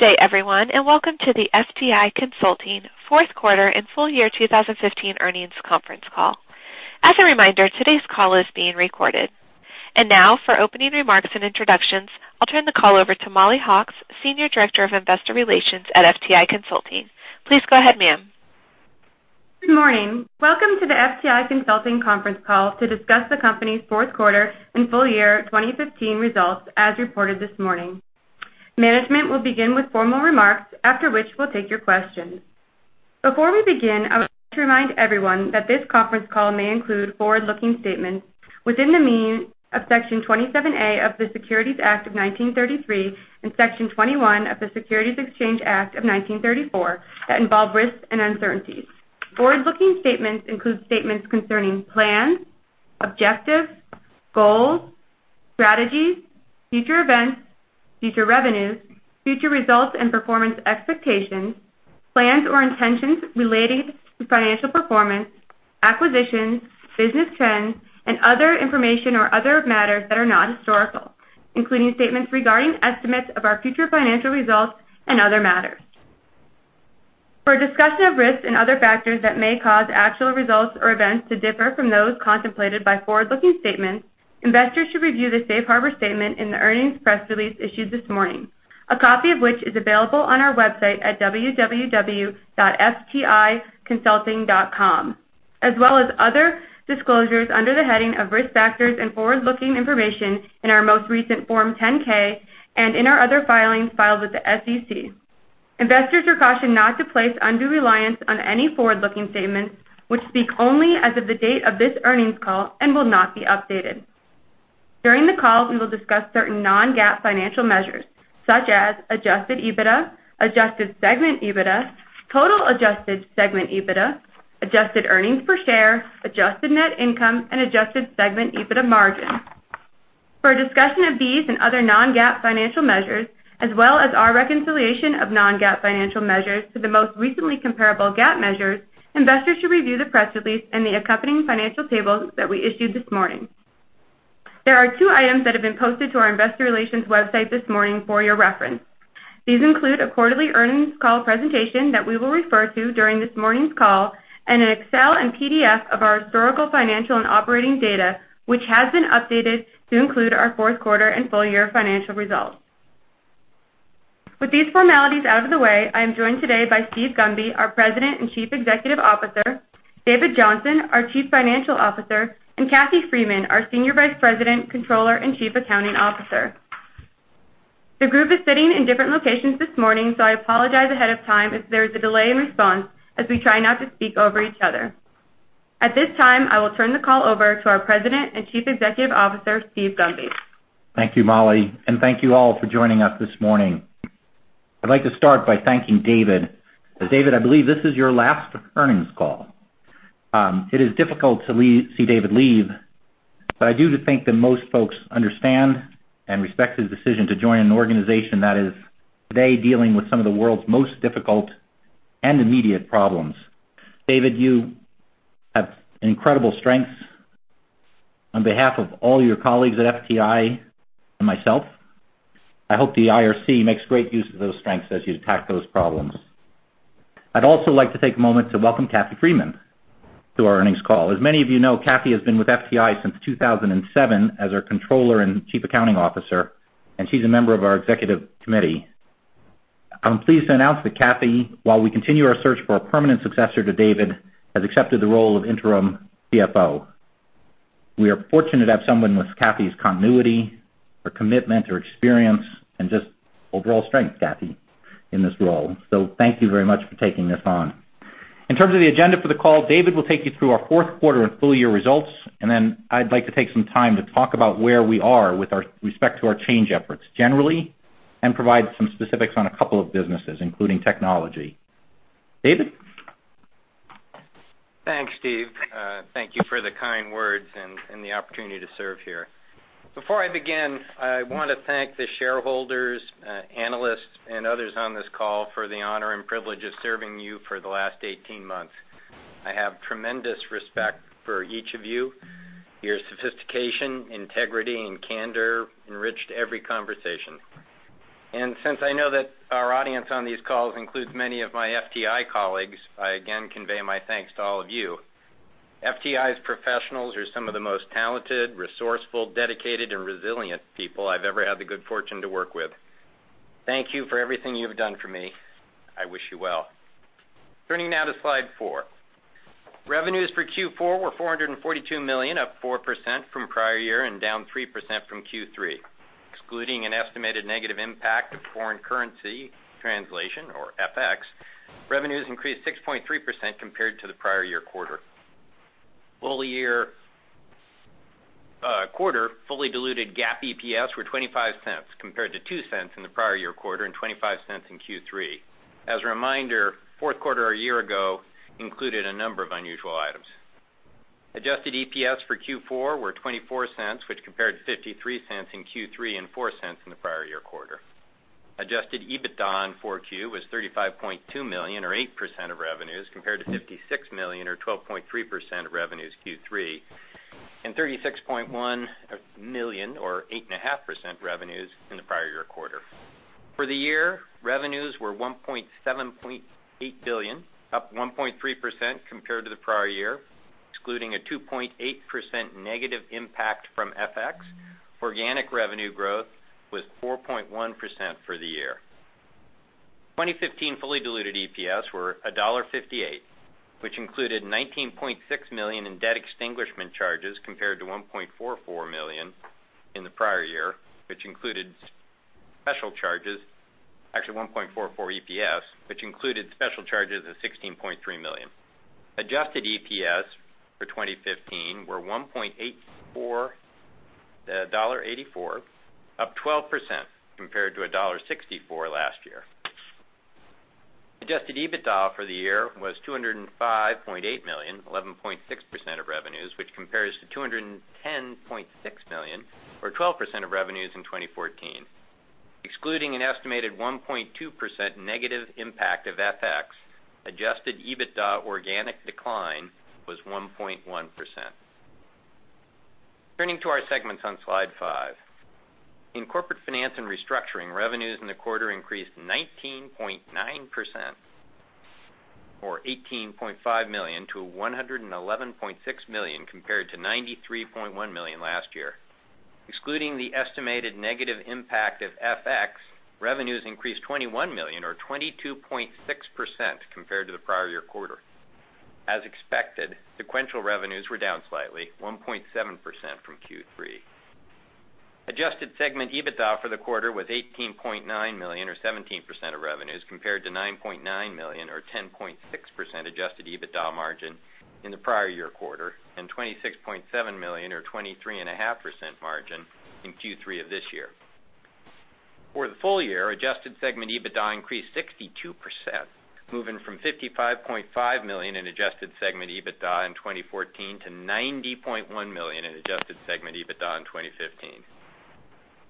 Good day, everyone, welcome to the FTI Consulting fourth quarter and full year 2015 earnings conference call. As a reminder, today's call is being recorded. Now for opening remarks and introductions, I'll turn the call over to Mollie Hawkes, Senior Director of Investor Relations at FTI Consulting. Please go ahead, ma'am. Good morning. Welcome to the FTI Consulting conference call to discuss the company's fourth quarter and full year 2015 results as reported this morning. Management will begin with formal remarks, after which we'll take your questions. Before we begin, I would like to remind everyone that this conference call may include forward-looking statements within the meaning of Section 27A of the Securities Act of 1933 and Section 21E of the Securities Exchange Act of 1934 that involve risks and uncertainties. Forward-looking statements include statements concerning plans, objectives, goals, strategies, future events, future revenues, future results and performance expectations, plans or intentions relating to financial performance, acquisitions, business trends, and other information or other matters that are not historical, including statements regarding estimates of our future financial results and other matters. For a discussion of risks and other factors that may cause actual results or events to differ from those contemplated by forward-looking statements, investors should review the safe harbor statement in the earnings press release issued this morning, a copy of which is available on our website at www.fticonsulting.com, as well as other disclosures under the heading of Risk Factors and Forward-Looking Information in our most recent Form 10-K and in our other filings filed with the SEC. Investors are cautioned not to place undue reliance on any forward-looking statements which speak only as of the date of this earnings call and will not be updated. During the call, we will discuss certain non-GAAP financial measures such as adjusted EBITDA, adjusted segment EBITDA, total adjusted segment EBITDA, adjusted earnings per share, adjusted net income, and adjusted segment EBITDA margin. For a discussion of these and other non-GAAP financial measures, as well as our reconciliation of non-GAAP financial measures to the most recently comparable GAAP measures, investors should review the press release and the accompanying financial tables that we issued this morning. There are two items that have been posted to our investor relations website this morning for your reference. These include a quarterly earnings call presentation that we will refer to during this morning's call and an Excel and PDF of our historical financial and operating data, which has been updated to include our fourth quarter and full year financial results. With these formalities out of the way, I am joined today by Steven Gunby, our President and Chief Executive Officer, David Johnson, our Chief Financial Officer, and Kathy Freeman, our Senior Vice President, Controller and Chief Accounting Officer. The group is sitting in different locations this morning, so I apologize ahead of time if there is a delay in response as we try not to speak over each other. At this time, I will turn the call over to our President and Chief Executive Officer, Steven Gunby. Thank you, Mollie, and thank you all for joining us this morning. I'd like to start by thanking David. David, I believe this is your last earnings call. It is difficult to see David leave, but I do think that most folks understand and respect his decision to join an organization that is today dealing with some of the world's most difficult and immediate problems. David, you have incredible strengths. On behalf of all your colleagues at FTI and myself, I hope the IRC makes great use of those strengths as you attack those problems. I'd also like to take a moment to welcome Kathy Freeman to our earnings call. As many of you know, Kathy has been with FTI since 2007 as our Controller and Chief Accounting Officer, and she's a member of our executive committee. I'm pleased to announce that Kathy, while we continue our search for a permanent successor to David, has accepted the role of interim CFO. We are fortunate to have someone with Kathy's continuity, her commitment, her experience, and just overall strength, Kathy, in this role. Thank you very much for taking this on. In terms of the agenda for the call, David will take you through our fourth quarter and full year results, I'd like to take some time to talk about where we are with respect to our change efforts generally and provide some specifics on a couple of businesses, including Technology. David? Thanks, Steve. Thank you for the kind words and the opportunity to serve here. Before I begin, I want to thank the shareholders, analysts, and others on this call for the honor and privilege of serving you for the last 18 months. I have tremendous respect for each of you. Your sophistication, integrity, and candor enriched every conversation. Since I know that our audience on these calls includes many of my FTI colleagues, I again convey my thanks to all of you. FTI's professionals are some of the most talented, resourceful, dedicated, and resilient people I've ever had the good fortune to work with. Thank you for everything you've done for me. I wish you well. Turning now to slide four. Revenues for Q4 were $442 million, up 4% from prior year and down 3% from Q3. Excluding an estimated negative impact of foreign currency translation or FX, revenues increased 6.3% compared to the prior year quarter. Full year quarter fully diluted GAAP EPS were $0.25 compared to $0.02 in the prior year quarter and $0.25 in Q3. As a reminder, fourth quarter a year ago included a number of unusual items. Adjusted EPS for Q4 were $0.24, which compared to $0.53 in Q3 and $0.04 in the prior year quarter. Adjusted EBITDA on 4Q was $35.2 million or 8% of revenues compared to $56 million or 12.3% of revenues in Q3, and $36.1 million, or 8.5% revenues in the prior year quarter. For the year, revenues were $1.78 billion, up 1.3% compared to the prior year, excluding a 2.8% negative impact from FX. Organic revenue growth was 4.1% for the year. 2015 fully diluted EPS were $1.58, which included $19.6 million in debt extinguishment charges, compared to $1.44 in the prior year, which included special charges. Actually $1.44 EPS, which included special charges of $16.3 million. Adjusted EPS for 2015 were $1.84 up 12% compared to $1.64 last year. Adjusted EBITDA for the year was $205.8 million, 11.6% of revenues, which compares to $210.6 million, or 12% of revenues in 2014. Excluding an estimated 1.2% negative impact of FX, adjusted EBITDA organic decline was 1.1%. Turning to our segments on Slide 5. In Corporate Finance & Restructuring, revenues in the quarter increased 19.9%, or $18.5 million to $111.6 million compared to $93.1 million last year. Excluding the estimated negative impact of FX, revenues increased $21 million or 22.6% compared to the prior year quarter. As expected, sequential revenues were down slightly, 1.7% from Q3. Adjusted segment EBITDA for the quarter was $18.9 million or 17% of revenues, compared to $9.9 million or 10.6% adjusted EBITDA margin in the prior year quarter, and $26.7 million or 23.5% margin in Q3 of this year. For the full year, adjusted segment EBITDA increased 62%, moving from $55.5 million in adjusted segment EBITDA in 2014 to $90.1 million in adjusted segment EBITDA in 2015.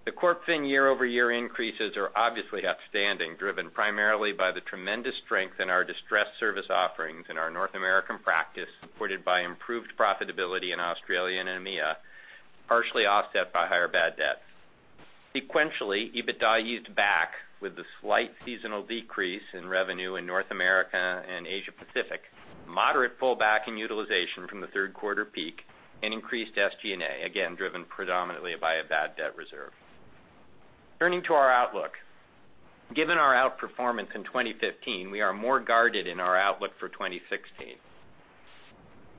The Corp Fin year-over-year increases are obviously outstanding, driven primarily by the tremendous strength in our distressed service offerings in our North American practice, supported by improved profitability in Australia and EMEA, partially offset by higher bad debt. Sequentially, EBITDA eased back with a slight seasonal decrease in revenue in North America and Asia-Pacific, moderate pullback in utilization from the third quarter peak, and increased SG&A, again, driven predominantly by a bad debt reserve. Turning to our outlook. Given our outperformance in 2015, we are more guarded in our outlook for 2016.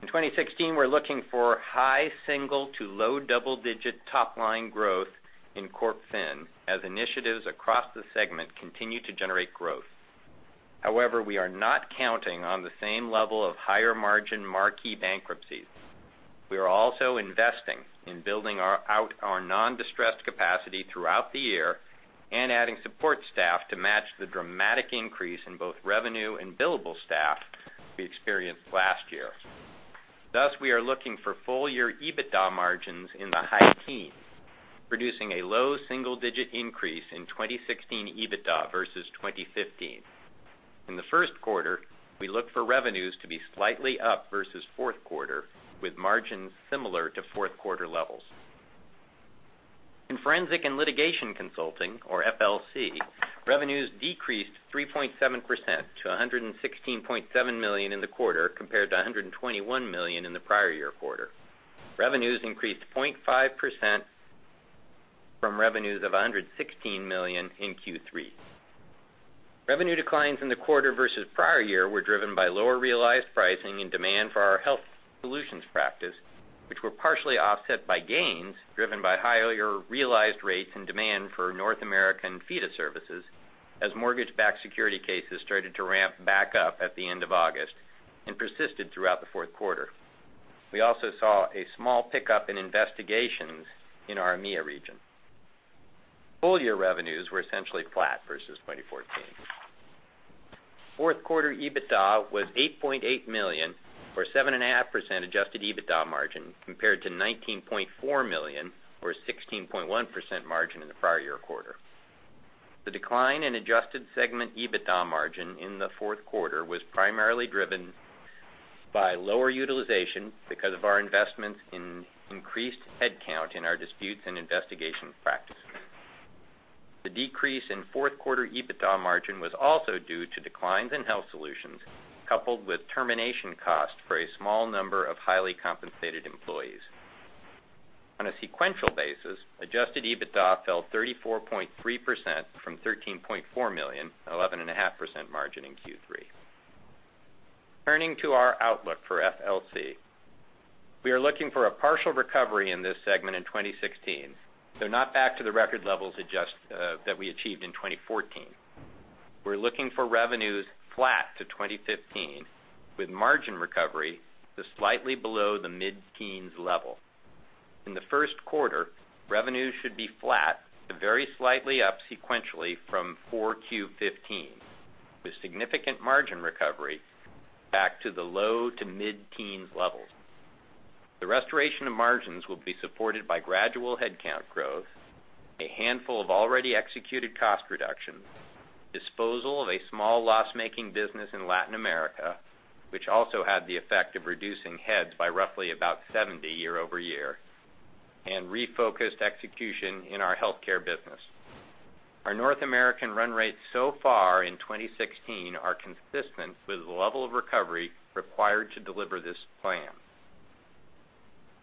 In 2016, we're looking for high single to low double-digit top-line growth in Corp Fin as initiatives across the segment continue to generate growth. We are not counting on the same level of higher margin marquee bankruptcies. We are also investing in building out our non-distressed capacity throughout the year and adding support staff to match the dramatic increase in both revenue and billable staff we experienced last year. We are looking for full year EBITDA margins in the high teens, producing a low single-digit increase in 2016 EBITDA versus 2015. In the first quarter, we look for revenues to be slightly up versus fourth quarter, with margins similar to fourth quarter levels. In Forensic and Litigation Consulting, or FLC, revenues decreased 3.7% to $116.7 million in the quarter, compared to $121 million in the prior year quarter. Revenues increased 0.5% from revenues of $116 million in Q3. Revenue declines in the quarter versus prior year were driven by lower realized pricing and demand for our health solutions practice, which were partially offset by gains driven by higher realized rates and demand for North American FIDA services as mortgage-backed security cases started to ramp back up at the end of August and persisted throughout the fourth quarter. We also saw a small pickup in investigations in our EMEA region. Full-year revenues were essentially flat versus 2014. Fourth quarter EBITDA was $8.8 million, or 7.5% adjusted EBITDA margin, compared to $19.4 million or a 16.1% margin in the prior year quarter. The decline in adjusted segment EBITDA margin in the fourth quarter was primarily driven by lower utilization because of our investments in increased headcount in our disputes and investigation practices. The decrease in fourth quarter EBITDA margin was also due to declines in health solutions, coupled with termination costs for a small number of highly compensated employees. On a sequential basis, adjusted EBITDA fell 34.3% from $13.4 million, an 11.5% margin in Q3. Turning to our outlook for FLC. We are looking for a partial recovery in this segment in 2016, though not back to the record levels that we achieved in 2014. We are looking for revenues flat to 2015, with margin recovery to slightly below the mid-teens level. In the first quarter, revenues should be flat to very slightly up sequentially from 4Q15, with significant margin recovery back to the low to mid-teens levels. The restoration of margins will be supported by gradual headcount growth, a handful of already executed cost reductions, disposal of a small loss-making business in Latin America, which also had the effect of reducing heads by roughly about 70 year-over-year, and refocused execution in our healthcare business. Our North American run rates so far in 2016 are consistent with the level of recovery required to deliver this plan.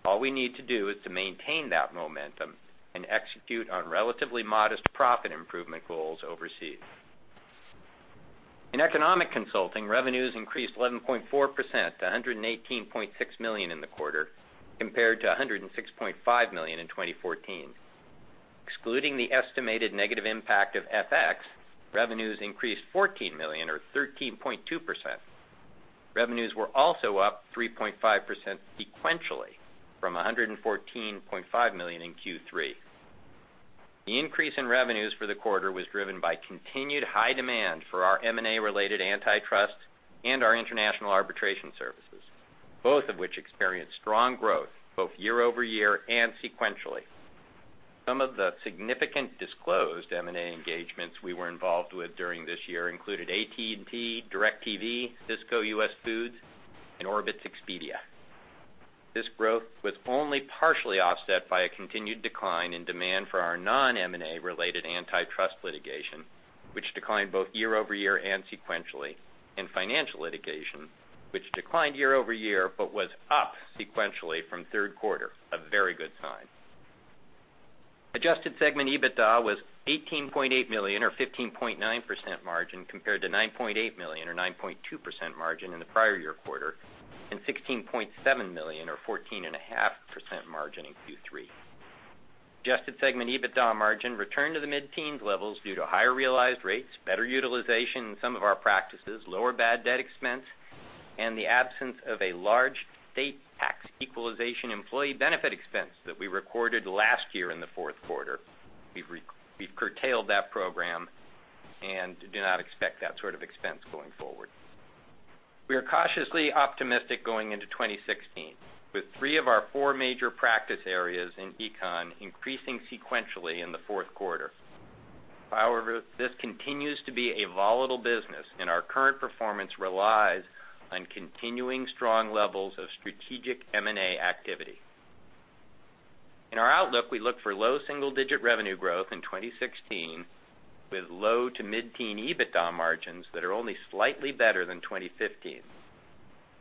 All we need to do is to maintain that momentum and execute on relatively modest profit improvement goals overseas. In Economic Consulting, revenues increased 11.4% to $118.6 million in the quarter, compared to $106.5 million in 2014. Excluding the estimated negative impact of FX, revenues increased $14 million, or 13.2%. Revenues were also up 3.5% sequentially from $114.5 million in Q3. The increase in revenues for the quarter was driven by continued high demand for our M&A-related antitrust and our international arbitration services, both of which experienced strong growth, both year-over-year and sequentially. Some of the significant disclosed M&A engagements we were involved with during this year included AT&T, DirecTV, Cisco, US Foods, and Orbitz, Expedia. This growth was only partially offset by a continued decline in demand for our non-M&A related antitrust litigation, which declined both year-over-year and sequentially, and financial litigation, which declined year-over-year but was up sequentially from third quarter, a very good sign. Adjusted segment EBITDA was $18.8 million or 15.9% margin compared to $9.8 million or 9.2% margin in the prior year quarter, and $16.7 million or 14.5% margin in Q3. Adjusted segment EBITDA margin returned to the mid-teens levels due to higher realized rates, better utilization in some of our practices, lower bad debt expense, and the absence of a large state tax equalization employee benefit expense that we recorded last year in the fourth quarter. We've curtailed that program and do not expect that sort of expense going forward. We are cautiously optimistic going into 2016, with three of our four major practice areas in econ increasing sequentially in the fourth quarter. However, this continues to be a volatile business, and our current performance relies on continuing strong levels of strategic M&A activity. In our outlook, we look for low double-digit revenue growth in 2016 with low to mid-teen EBITDA margins that are only slightly better than 2015.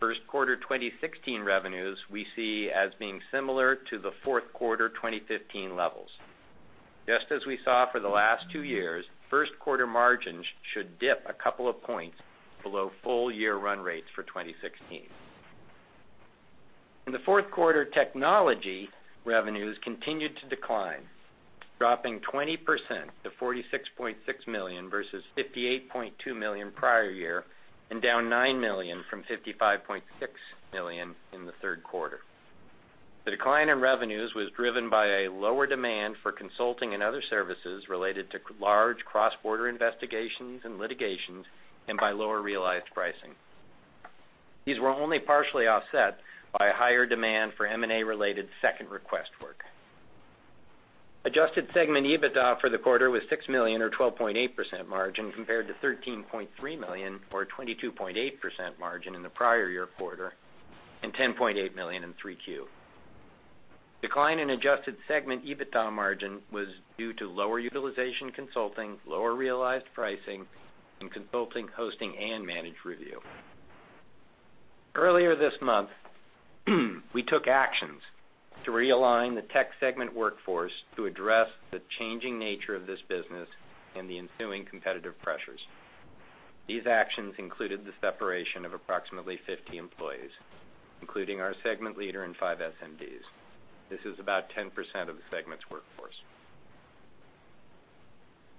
First quarter 2016 revenues we see as being similar to the fourth quarter 2015 levels. Just as we saw for the last two years, first quarter margins should dip a couple of points below full year run rates for 2016. In the fourth quarter, Technology revenues continued to decline, dropping 20% to $46.6 million versus $58.2 million prior year, and down $9 million from $55.6 million in the third quarter. The decline in revenues was driven by a lower demand for consulting and other services related to large cross-border investigations and litigations and by lower realized pricing. These were only partially offset by a higher demand for M&A related second request work. Adjusted segment EBITDA for the quarter was $6 million or 12.8% margin compared to $13.3 million or a 22.8% margin in the prior year quarter and $10.8 million in 3Q. Decline in adjusted segment EBITDA margin was due to lower utilization consulting, lower realized pricing in consulting, hosting, and managed review. Earlier this month, we took actions to realign the Tech segment workforce to address the changing nature of this business and the ensuing competitive pressures. These actions included the separation of approximately 50 employees, including our segment leader and five SMDs. This is about 10% of the segment's workforce.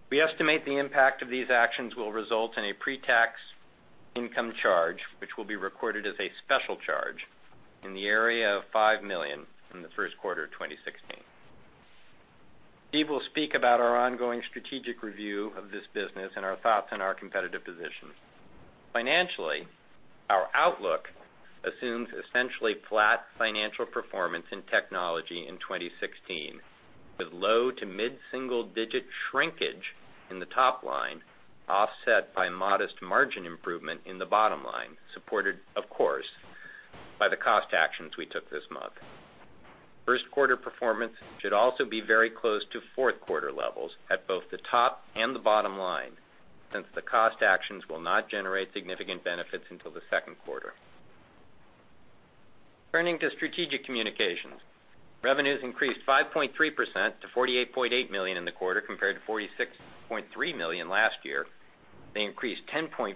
We estimate the impact of these actions will result in a pre-tax income charge, which will be recorded as a special charge in the area of $5 million in the first quarter of 2016. Steve will speak about our ongoing strategic review of this business and our thoughts on our competitive position. Financially, our outlook assumes essentially flat financial performance in Technology in 2016, with low to mid-single digit shrinkage in the top line, offset by modest margin improvement in the bottom line, supported, of course, by the cost actions we took this month. First quarter performance should also be very close to fourth quarter levels at both the top and the bottom line, since the cost actions will not generate significant benefits until the second quarter. Turning to Strategic Communications. Revenues increased 5.3% to $48.8 million in the quarter, compared to $46.3 million last year. They increased 10.4%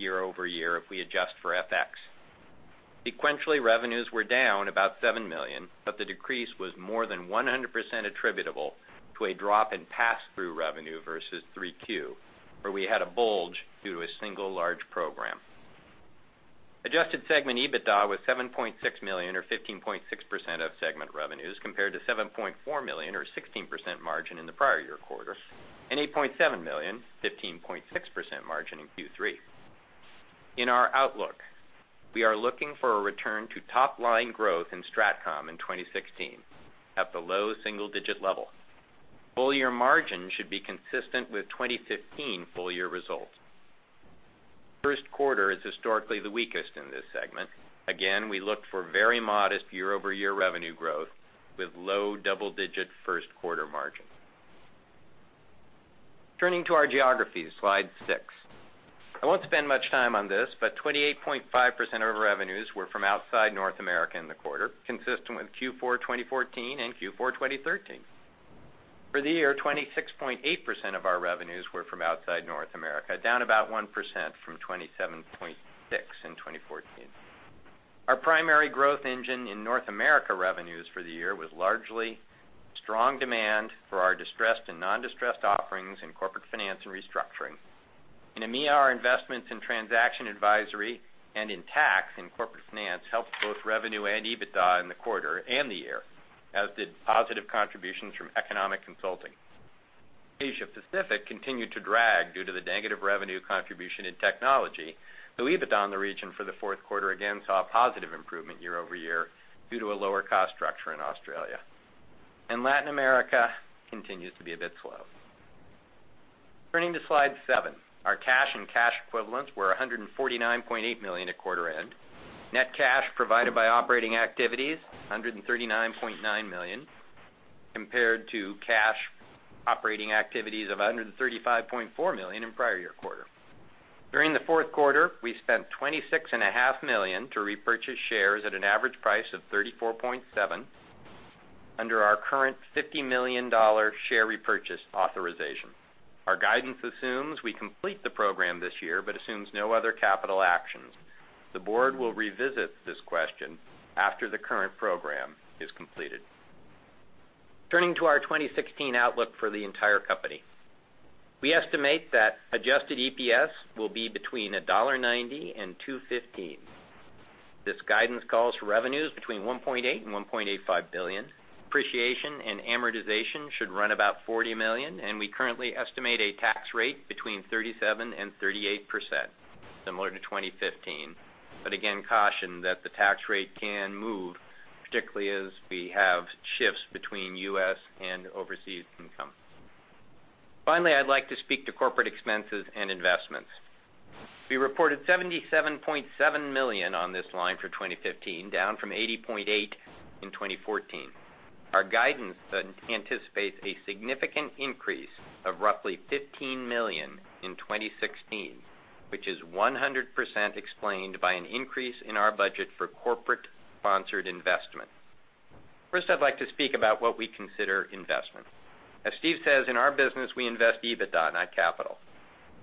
year-over-year if we adjust for FX. Sequentially, revenues were down about $7 million, but the decrease was more than 100% attributable to a drop in pass-through revenue versus 3Q, where we had a bulge due to a single large program. Adjusted segment EBITDA was $7.6 million or 15.6% of segment revenues compared to $7.4 million or 16% margin in the prior year quarter and $8.7 million, 15.6% margin in Q3. In our outlook, we are looking for a return to top-line growth in Strat Comm in 2016 at the low single-digit level. Full-year margins should be consistent with 2015 full-year results. First quarter is historically the weakest in this segment. We look for very modest year-over-year revenue growth with low double-digit first quarter margins. Turning to our geographies, slide six. I won't spend much time on this, but 28.5% of our revenues were from outside North America in the quarter, consistent with Q4 2014 and Q4 2013. For the year, 26.8% of our revenues were from outside North America, down about 1% from 27.6 in 2014. Our primary growth engine in North America revenues for the year was largely strong demand for our distressed and non-distressed offerings in Corporate Finance & Restructuring. In EMEA, investments in transaction advisory and in tax and corporate finance helped both revenue and EBITDA in the quarter and the year, as did positive contributions from Economic Consulting. Asia Pacific continued to drag due to the negative revenue contribution in Technology, though EBITDA in the region for the fourth quarter again saw a positive improvement year-over-year due to a lower cost structure in Australia. Latin America continues to be a bit slow. Turning to slide seven. Our cash and cash equivalents were $149.8 million at quarter end. Net cash provided by operating activities, $139.9 million, compared to cash operating activities of $135.4 million in prior year quarter. During the fourth quarter, we spent $26.5 million to repurchase shares at an average price of $34.7 under our current $50 million share repurchase authorization. Our guidance assumes we complete the program this year but assumes no other capital actions. The board will revisit this question after the current program is completed. Turning to our 2016 outlook for the entire company. We estimate that adjusted EPS will be between $1.90 and $2.15. This guidance calls for revenues between $1.8 billion and $1.85 billion. Depreciation and amortization should run about $40 million, and we currently estimate a tax rate between 37% and 38%, similar to 2015. Again, caution that the tax rate can move, particularly as we have shifts between U.S. and overseas income. Finally, I'd like to speak to corporate expenses and investments. We reported $77.7 million on this line for 2015, down from $80.8 million in 2014. Our guidance anticipates a significant increase of roughly $15 million in 2016, which is 100% explained by an increase in our budget for corporate-sponsored investments. First, I'd like to speak about what we consider investments. As Steve says, in our business, we invest EBITDA, not capital.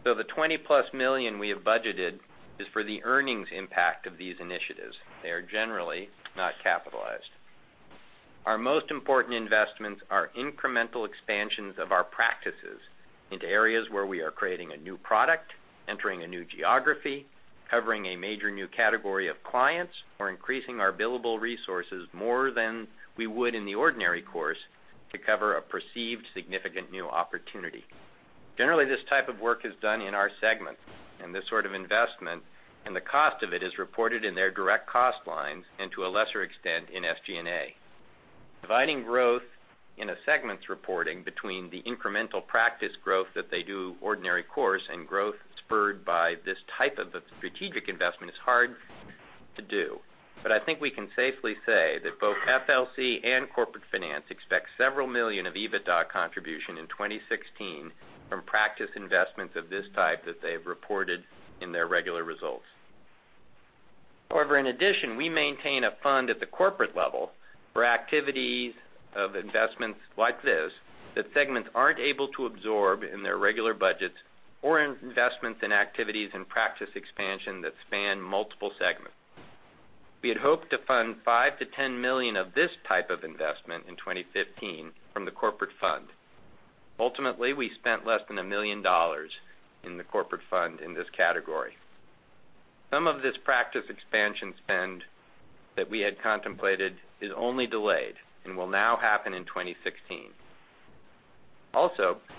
So the $20-plus million we have budgeted is for the earnings impact of these initiatives. They are generally not capitalized. Our most important investments are incremental expansions of our practices into areas where we are creating a new product, entering a new geography, covering a major new category of clients, or increasing our billable resources more than we would in the ordinary course to cover a perceived significant new opportunity. Generally, this type of work is done in our segments, and this sort of investment and the cost of it is reported in their direct cost lines and to a lesser extent in SG&A. Dividing growth in a segment's reporting between the incremental practice growth that they do ordinary course and growth spurred by this type of a strategic investment is hard to do. I think we can safely say that both FLC and corporate finance expect $ several million of EBITDA contribution in 2016 from practice investments of this type that they've reported in their regular results. However, in addition, we maintain a fund at the corporate level for activities of investments like this that segments aren't able to absorb in their regular budgets or investments in activities and practice expansion that span multiple segments. We had hoped to fund $5 million-$10 million of this type of investment in 2015 from the corporate fund. Ultimately, we spent less than $1 million in the corporate fund in this category. Some of this practice expansion spend that we had contemplated is only delayed and will now happen in 2016.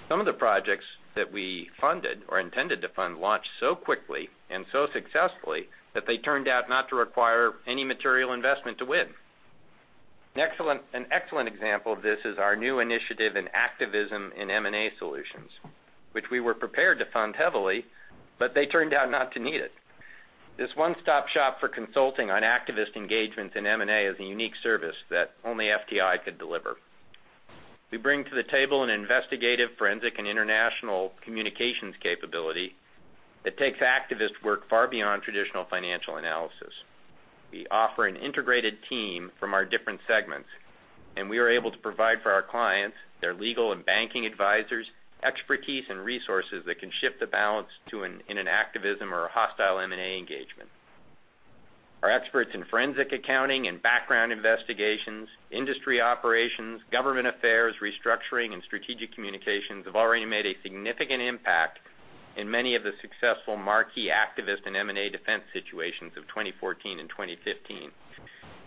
Some of the projects that we funded or intended to fund launched so quickly and so successfully that they turned out not to require any material investment to win. An excellent example of this is our new initiative in activism in M&A solutions, which we were prepared to fund heavily, but they turned out not to need it. This one-stop shop for consulting on activist engagement in M&A is a unique service that only FTI could deliver. We bring to the table an investigative, forensic, and international communications capability that takes activist work far beyond traditional financial analysis. We offer an integrated team from our different segments, and we are able to provide for our clients, their legal and banking advisors, expertise and resources that can shift the balance in an activism or a hostile M&A engagement. Our experts in forensic accounting and background investigations, industry operations, government affairs, restructuring, and Strategic Communications have already made a significant impact in many of the successful marquee activist and M&A defense situations of 2014 and 2015.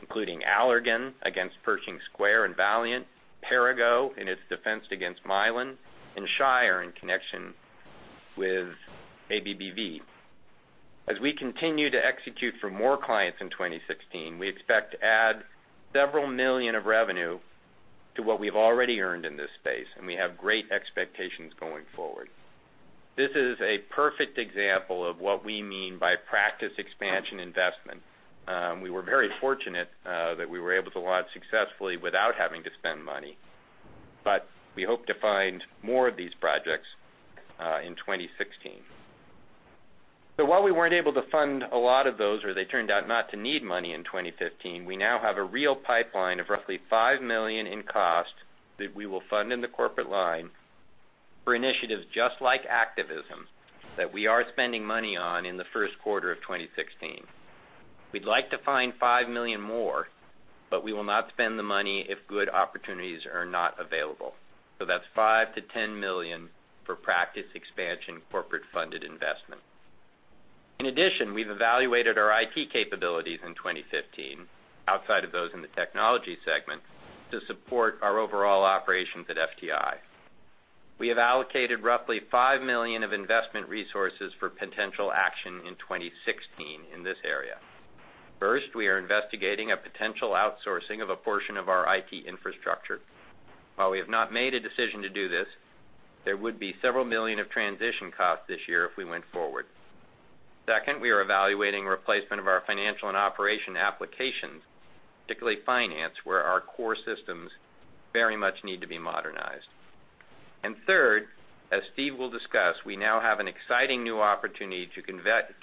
Including Allergan against Pershing Square and Valeant, Perrigo in its defense against Mylan, and Shire in connection with ABBV. As we continue to execute for more clients in 2016, we expect to add $ several million of revenue to what we've already earned in this space, and we have great expectations going forward. This is a perfect example of what we mean by practice expansion investment. We were very fortunate that we were able to launch successfully without having to spend money, but we hope to find more of these projects in 2016. While we weren't able to fund a lot of those, or they turned out not to need money in 2015, we now have a real pipeline of roughly $5 million in costs that we will fund in the corporate line for initiatives just like activism that we are spending money on in the first quarter of 2016. We'd like to find $5 million more, we will not spend the money if good opportunities are not available. That's $5 million-$10 million for practice expansion corporate funded investment. In addition, we've evaluated our IT capabilities in 2015, outside of those in the Technology segment, to support our overall operations at FTI. We have allocated roughly $5 million of investment resources for potential action in 2016 in this area. First, we are investigating a potential outsourcing of a portion of our IT infrastructure. While we have not made a decision to do this, there would be several million of transition costs this year if we went forward. Second, we are evaluating replacement of our financial and operations applications, particularly finance, where our core systems very much need to be modernized. Third, as Steve will discuss, we now have an exciting new opportunity to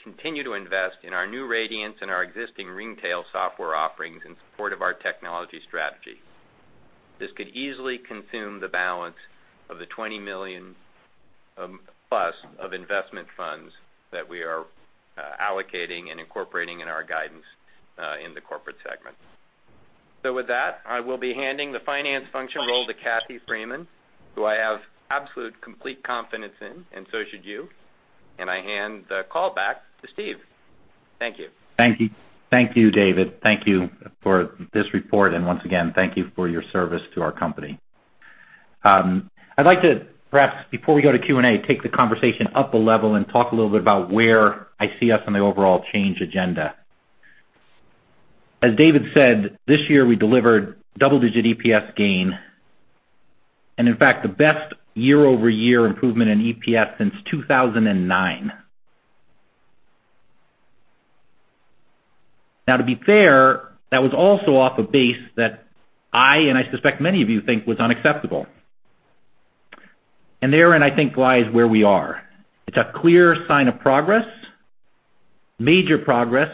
continue to invest in our new Radiance and our existing Ringtail software offerings in support of our technology strategy. This could easily consume the balance of the $20 million-plus of investment funds that we are allocating and incorporating in our guidance in the Corporate segment. With that, I will be handing the finance function role to Kathy Freeman, who I have absolute, complete confidence in, and so should you. I hand the call back to Steve. Thank you. Thank you, David. Thank you for this report, and once again, thank you for your service to our company. I'd like to, perhaps before we go to Q&A, take the conversation up a level and talk a little bit about where I see us on the overall change agenda. As David said, this year we delivered double-digit EPS gain, and in fact, the best year-over-year improvement in EPS since 2009. To be fair, that was also off a base that I, and I suspect many of you think was unacceptable. Therein I think lies where we are. It's a clear sign of progress, major progress,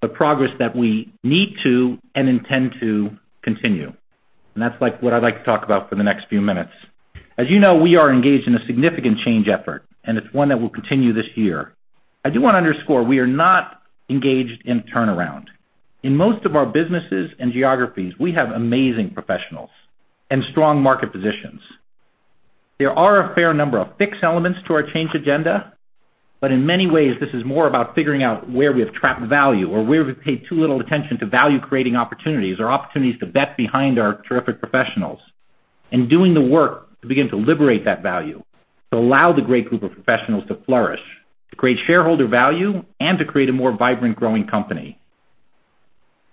but progress that we need to and intend to continue. That's what I'd like to talk about for the next few minutes. As you know, we are engaged in a significant change effort, it's one that will continue this year. I do want to underscore, we are not engaged in turnaround. In most of our businesses and geographies, we have amazing professionals and strong market positions. There are a fair number of fixed elements to our change agenda, but in many ways, this is more about figuring out where we have trapped value or where we pay too little attention to value-creating opportunities or opportunities to bet behind our terrific professionals and doing the work to begin to liberate that value, to allow the great group of professionals to flourish, to create shareholder value, and to create a more vibrant growing company.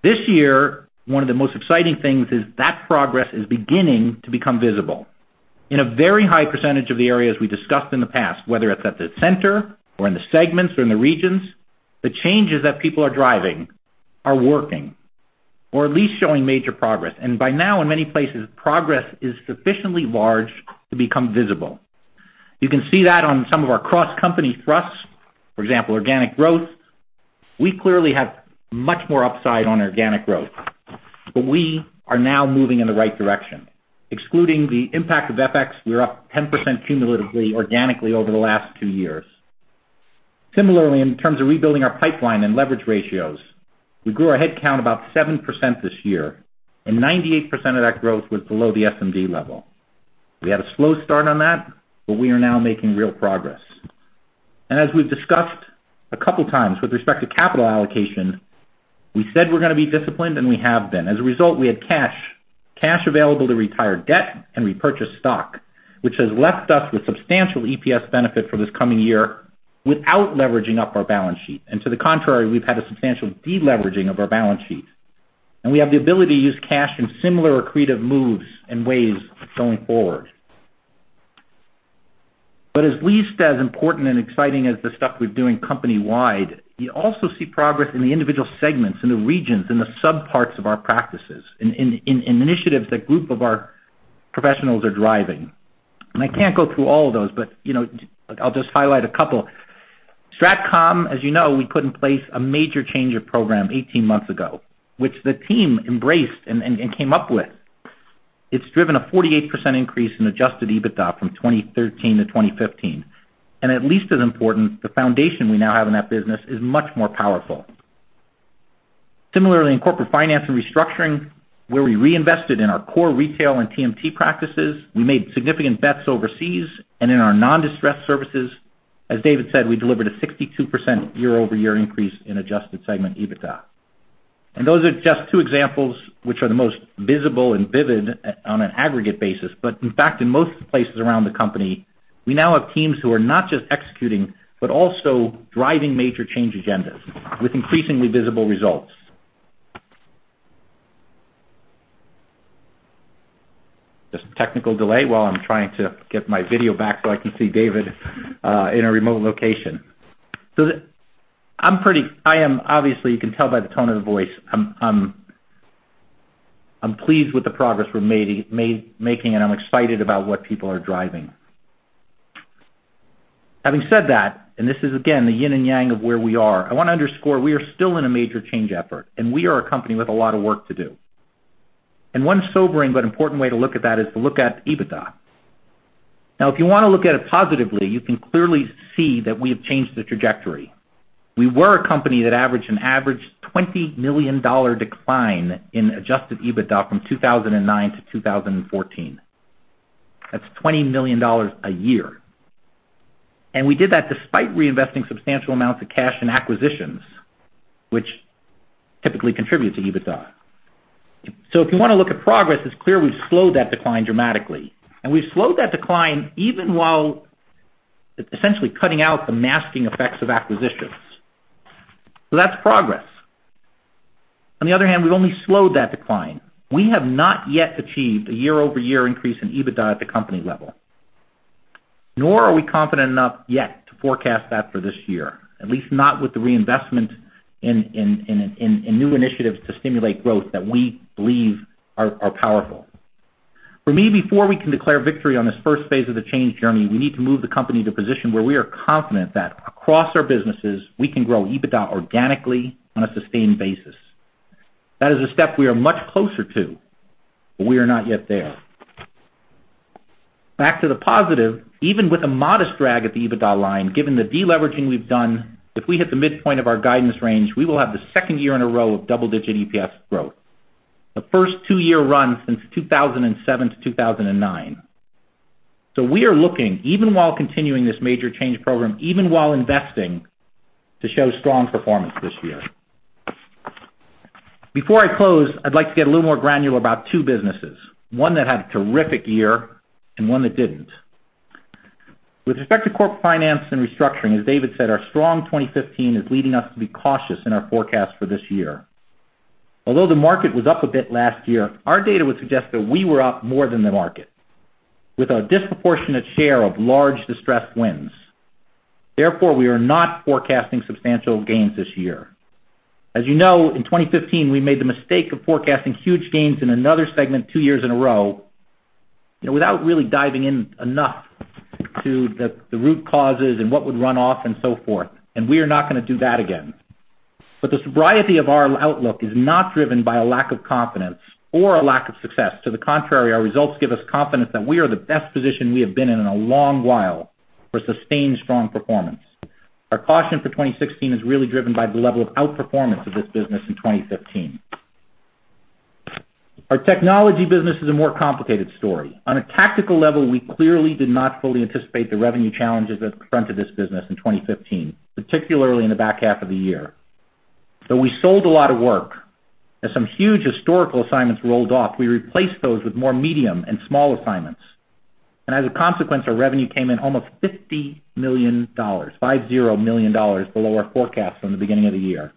This year, one of the most exciting things is that progress is beginning to become visible. In a very high percentage of the areas we discussed in the past, whether it's at the center or in the segments or in the regions, the changes that people are driving are working or at least showing major progress. By now, in many places, progress is sufficiently large to become visible. You can see that on some of our cross-company thrusts, for example, organic growth. We clearly have much more upside on organic growth, but we are now moving in the right direction. Excluding the impact of FX, we're up 10% cumulatively organically over the last two years. Similarly, in terms of rebuilding our pipeline and leverage ratios, we grew our headcount about 7% this year, and 98% of that growth was below the SMD level. We had a slow start on that, we are now making real progress. As we've discussed a couple times with respect to capital allocation, we said we're going to be disciplined, and we have been. As a result, we had cash available to retire debt and repurchase stock, which has left us with substantial EPS benefit for this coming year without leveraging up our balance sheet. To the contrary, we've had a substantial deleveraging of our balance sheet. We have the ability to use cash in similar accretive moves and ways going forward. At least as important and exciting as the stuff we're doing company-wide, we also see progress in the individual segments, in the regions, in the sub-parts of our practices, in initiatives that group of our professionals are driving. I can't go through all of those, but I'll just highlight a couple. Strat Comm, as you know, we put in place a major change of program 18 months ago, which the team embraced and came up with. It's driven a 48% increase in adjusted EBITDA from 2013 to 2015, and at least as important, the foundation we now have in that business is much more powerful. Similarly, in Corporate Finance & Restructuring, where we reinvested in our core retail and TMT practices, we made significant bets overseas and in our non-distressed services. As David said, we delivered a 62% year-over-year increase in adjusted segment EBITDA. Those are just two examples, which are the most visible and vivid on an aggregate basis. In fact, in most places around the company, we now have teams who are not just executing, but also driving major change agendas with increasingly visible results. Just a technical delay while I'm trying to get my video back so I can see David in a remote location. I am, obviously, you can tell by the tone of the voice, I'm pleased with the progress we're making, and I'm excited about what people are driving. Having said that, and this is again, the yin and yang of where we are, I want to underscore we are still in a major change effort, and we are a company with a lot of work to do. One sobering but important way to look at that is to look at EBITDA. Now, if you want to look at it positively, you can clearly see that we have changed the trajectory. We were a company that averaged an average $20 million decline in adjusted EBITDA from 2009 to 2014. That's $20 million a year. We did that despite reinvesting substantial amounts of cash in acquisitions, which typically contribute to EBITDA. If you want to look at progress, it's clear we've slowed that decline dramatically, and we've slowed that decline even while essentially cutting out the masking effects of acquisitions. That's progress. On the other hand, we've only slowed that decline. We have not yet achieved a year-over-year increase in EBITDA at the company level, nor are we confident enough yet to forecast that for this year, at least not with the reinvestment in new initiatives to stimulate growth that we believe are powerful. For me, before we can declare victory on this first phase of the change journey, we need to move the company to a position where we are confident that across our businesses, we can grow EBITDA organically on a sustained basis. That is a step we are much closer to, but we are not yet there. Back to the positive. Even with a modest drag at the EBITDA line, given the de-leveraging we've done, if we hit the midpoint of our guidance range, we will have the second year in a row of double-digit EPS growth, the first two-year run since 2007 to 2009. We are looking, even while continuing this major change program, even while investing, to show strong performance this year. Before I close, I'd like to get a little more granular about two businesses, one that had a terrific year and one that didn't. With respect to Corporate Finance & Restructuring, as David said, our strong 2015 is leading us to be cautious in our forecast for this year. Although the market was up a bit last year, our data would suggest that we were up more than the market with a disproportionate share of large distressed wins. Therefore, we are not forecasting substantial gains this year. As you know, in 2015, we made the mistake of forecasting huge gains in another segment two years in a row without really diving in enough to the root causes and what would run off and so forth, and we are not going to do that again. But the sobriety of our outlook is not driven by a lack of confidence or a lack of success. To the contrary, our results give us confidence that we are in the best position we have been in in a long while for sustained strong performance. Our caution for 2016 is really driven by the level of outperformance of this business in 2015. Our Technology business is a more complicated story. On a tactical level, we clearly did not fully anticipate the revenue challenges that confronted this business in 2015, particularly in the back half of the year. We sold a lot of work. As some huge historical assignments rolled off, we replaced those with more medium and small assignments, and as a consequence, our revenue came in almost $50 million below our forecast from the beginning of the year.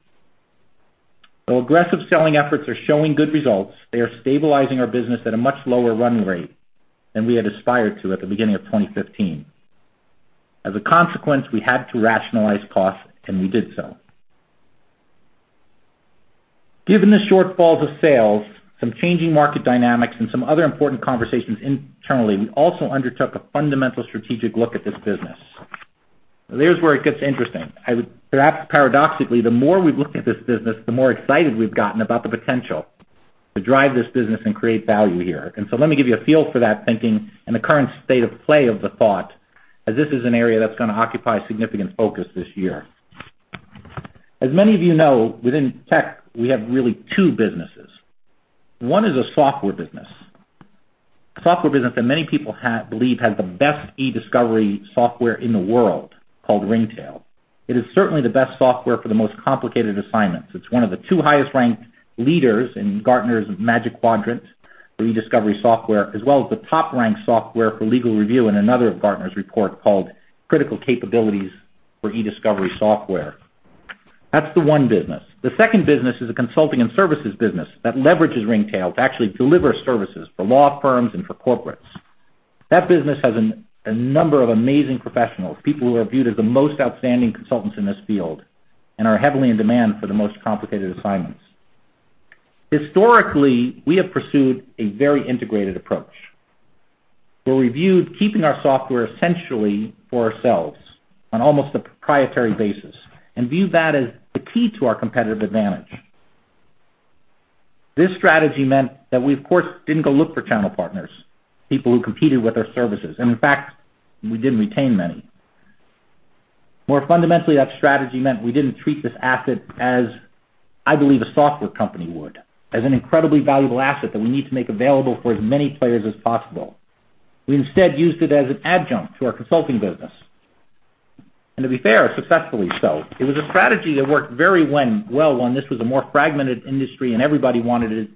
Though aggressive selling efforts are showing good results, they are stabilizing our business at a much lower run rate than we had aspired to at the beginning of 2015. As a consequence, we had to rationalize costs, and we did so. Given the shortfalls of sales, some changing market dynamics, and some other important conversations internally, we also undertook a fundamental strategic look at this business. Now, there's where it gets interesting. Perhaps paradoxically, the more we've looked at this business, the more excited we've gotten about the potential to drive this business and create value here. Let me give you a feel for that thinking and the current state of play of the thought, as this is an area that's going to occupy significant focus this year. As many of you know, within Technology, we have really two businesses. One is a software business. A software business that many people believe has the best e-discovery software in the world, called Ringtail. It is certainly the best software for the most complicated assignments. It's one of the two highest-ranked leaders in Gartner's Magic Quadrant for e-discovery software, as well as the top-ranked software for legal review in another of Gartner's report called Critical Capabilities for E-Discovery Software. That's the one business. The second business is a consulting and services business that leverages Ringtail to actually deliver services for law firms and for corporates. That business has a number of amazing professionals, people who are viewed as the most outstanding consultants in this field and are heavily in demand for the most complicated assignments. Historically, we have pursued a very integrated approach, where we viewed keeping our software essentially for ourselves on almost a proprietary basis and viewed that as the key to our competitive advantage. This strategy meant that we, of course, didn't go look for channel partners, people who competed with our services, and in fact, we didn't retain many. More fundamentally, that strategy meant we didn't treat this asset as I believe a software company would, as an incredibly valuable asset that we need to make available for as many players as possible. We instead used it as an adjunct to our consulting business, and to be fair, successfully so. It was a strategy that worked very well when this was a more fragmented industry and everybody wanted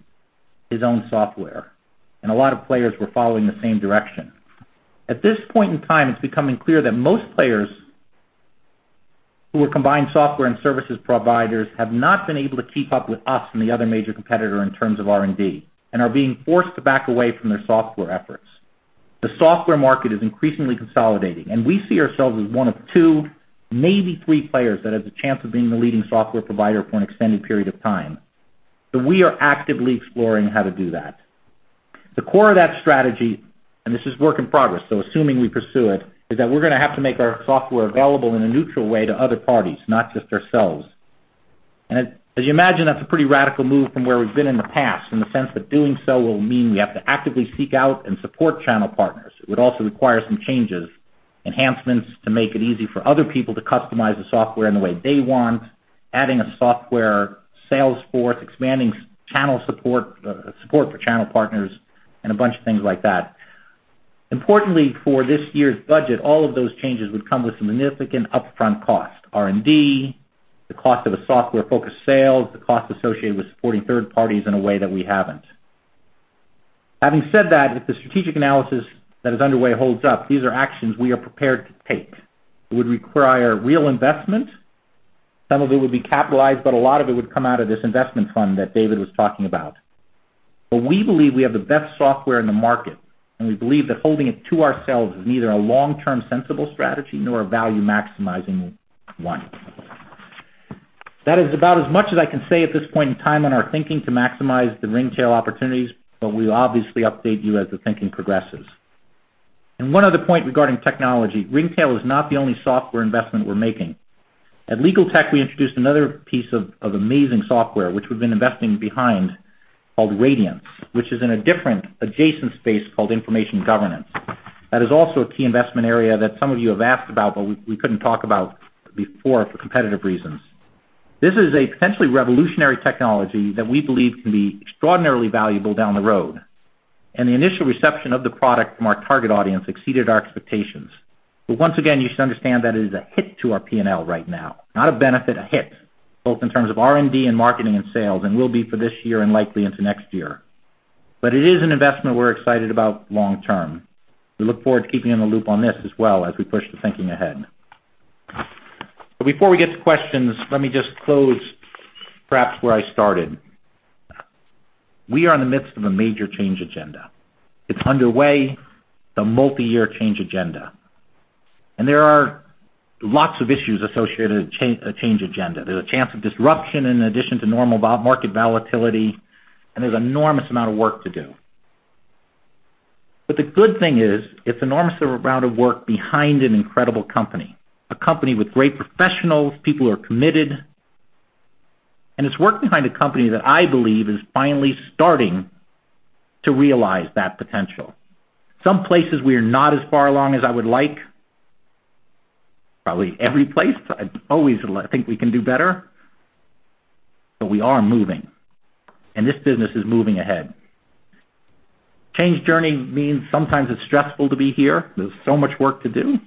his own software, and a lot of players were following the same direction. At this point in time, it's becoming clear that most players who are combined software and services providers have not been able to keep up with us and the other major competitor in terms of R&D, and are being forced to back away from their software efforts. The software market is increasingly consolidating, and we see ourselves as one of two, maybe three players that has a chance of being the leading software provider for an extended period of time. We are actively exploring how to do that. The core of that strategy, and this is work in progress, so assuming we pursue it, is that we're going to have to make our software available in a neutral way to other parties, not just ourselves. As you imagine, that's a pretty radical move from where we've been in the past, in the sense that doing so will mean we have to actively seek out and support channel partners, would also require some changes, enhancements to make it easy for other people to customize the software in the way they want, adding a software sales force, expanding channel support for channel partners, and a bunch of things like that. Importantly, for this year's budget, all of those changes would come with significant upfront cost, R&D, the cost of a software-focused sale, the cost associated with supporting third parties in a way that we haven't. Having said that, if the strategic analysis that is underway holds up, these are actions we are prepared to take. It would require real investment. Some of it would be capitalized, but a lot of it would come out of this investment fund that David was talking about. We believe we have the best software in the market, and we believe that holding it to ourselves is neither a long-term sensible strategy nor a value-maximizing one. That is about as much as I can say at this point in time on our thinking to maximize the Ringtail opportunities, but we'll obviously update you as the thinking progresses. One other point regarding technology, Ringtail is not the only software investment we're making. At Legaltech, we introduced another piece of amazing software which we've been investing behind called Radiance, which is in a different adjacent space called information governance. That is also a key investment area that some of you have asked about, but we couldn't talk about before for competitive reasons. This is a potentially revolutionary technology that we believe can be extraordinarily valuable down the road, and the initial reception of the product from our target audience exceeded our expectations. Once again, you should understand that it is a hit to our P&L right now, not a benefit, a hit, both in terms of R&D and marketing and sales, and will be for this year and likely into next year. It is an investment we're excited about long term. We look forward to keeping you in the loop on this as well as we push the thinking ahead. Before we get to questions, let me just close perhaps where I started. We are in the midst of a major change agenda. It's underway, the multi-year change agenda. There are lots of issues associated with a change agenda. There's a chance of disruption in addition to normal market volatility, and there's enormous amount of work to do. The good thing is, it's enormous amount of work behind an incredible company, a company with great professionals, people who are committed. It's work behind a company that I believe is finally starting to realize that potential. Some places we are not as far along as I would like. Probably every place, I always think we can do better. We are moving, and this business is moving ahead. Change journey means sometimes it's stressful to be here. There's so much work to do.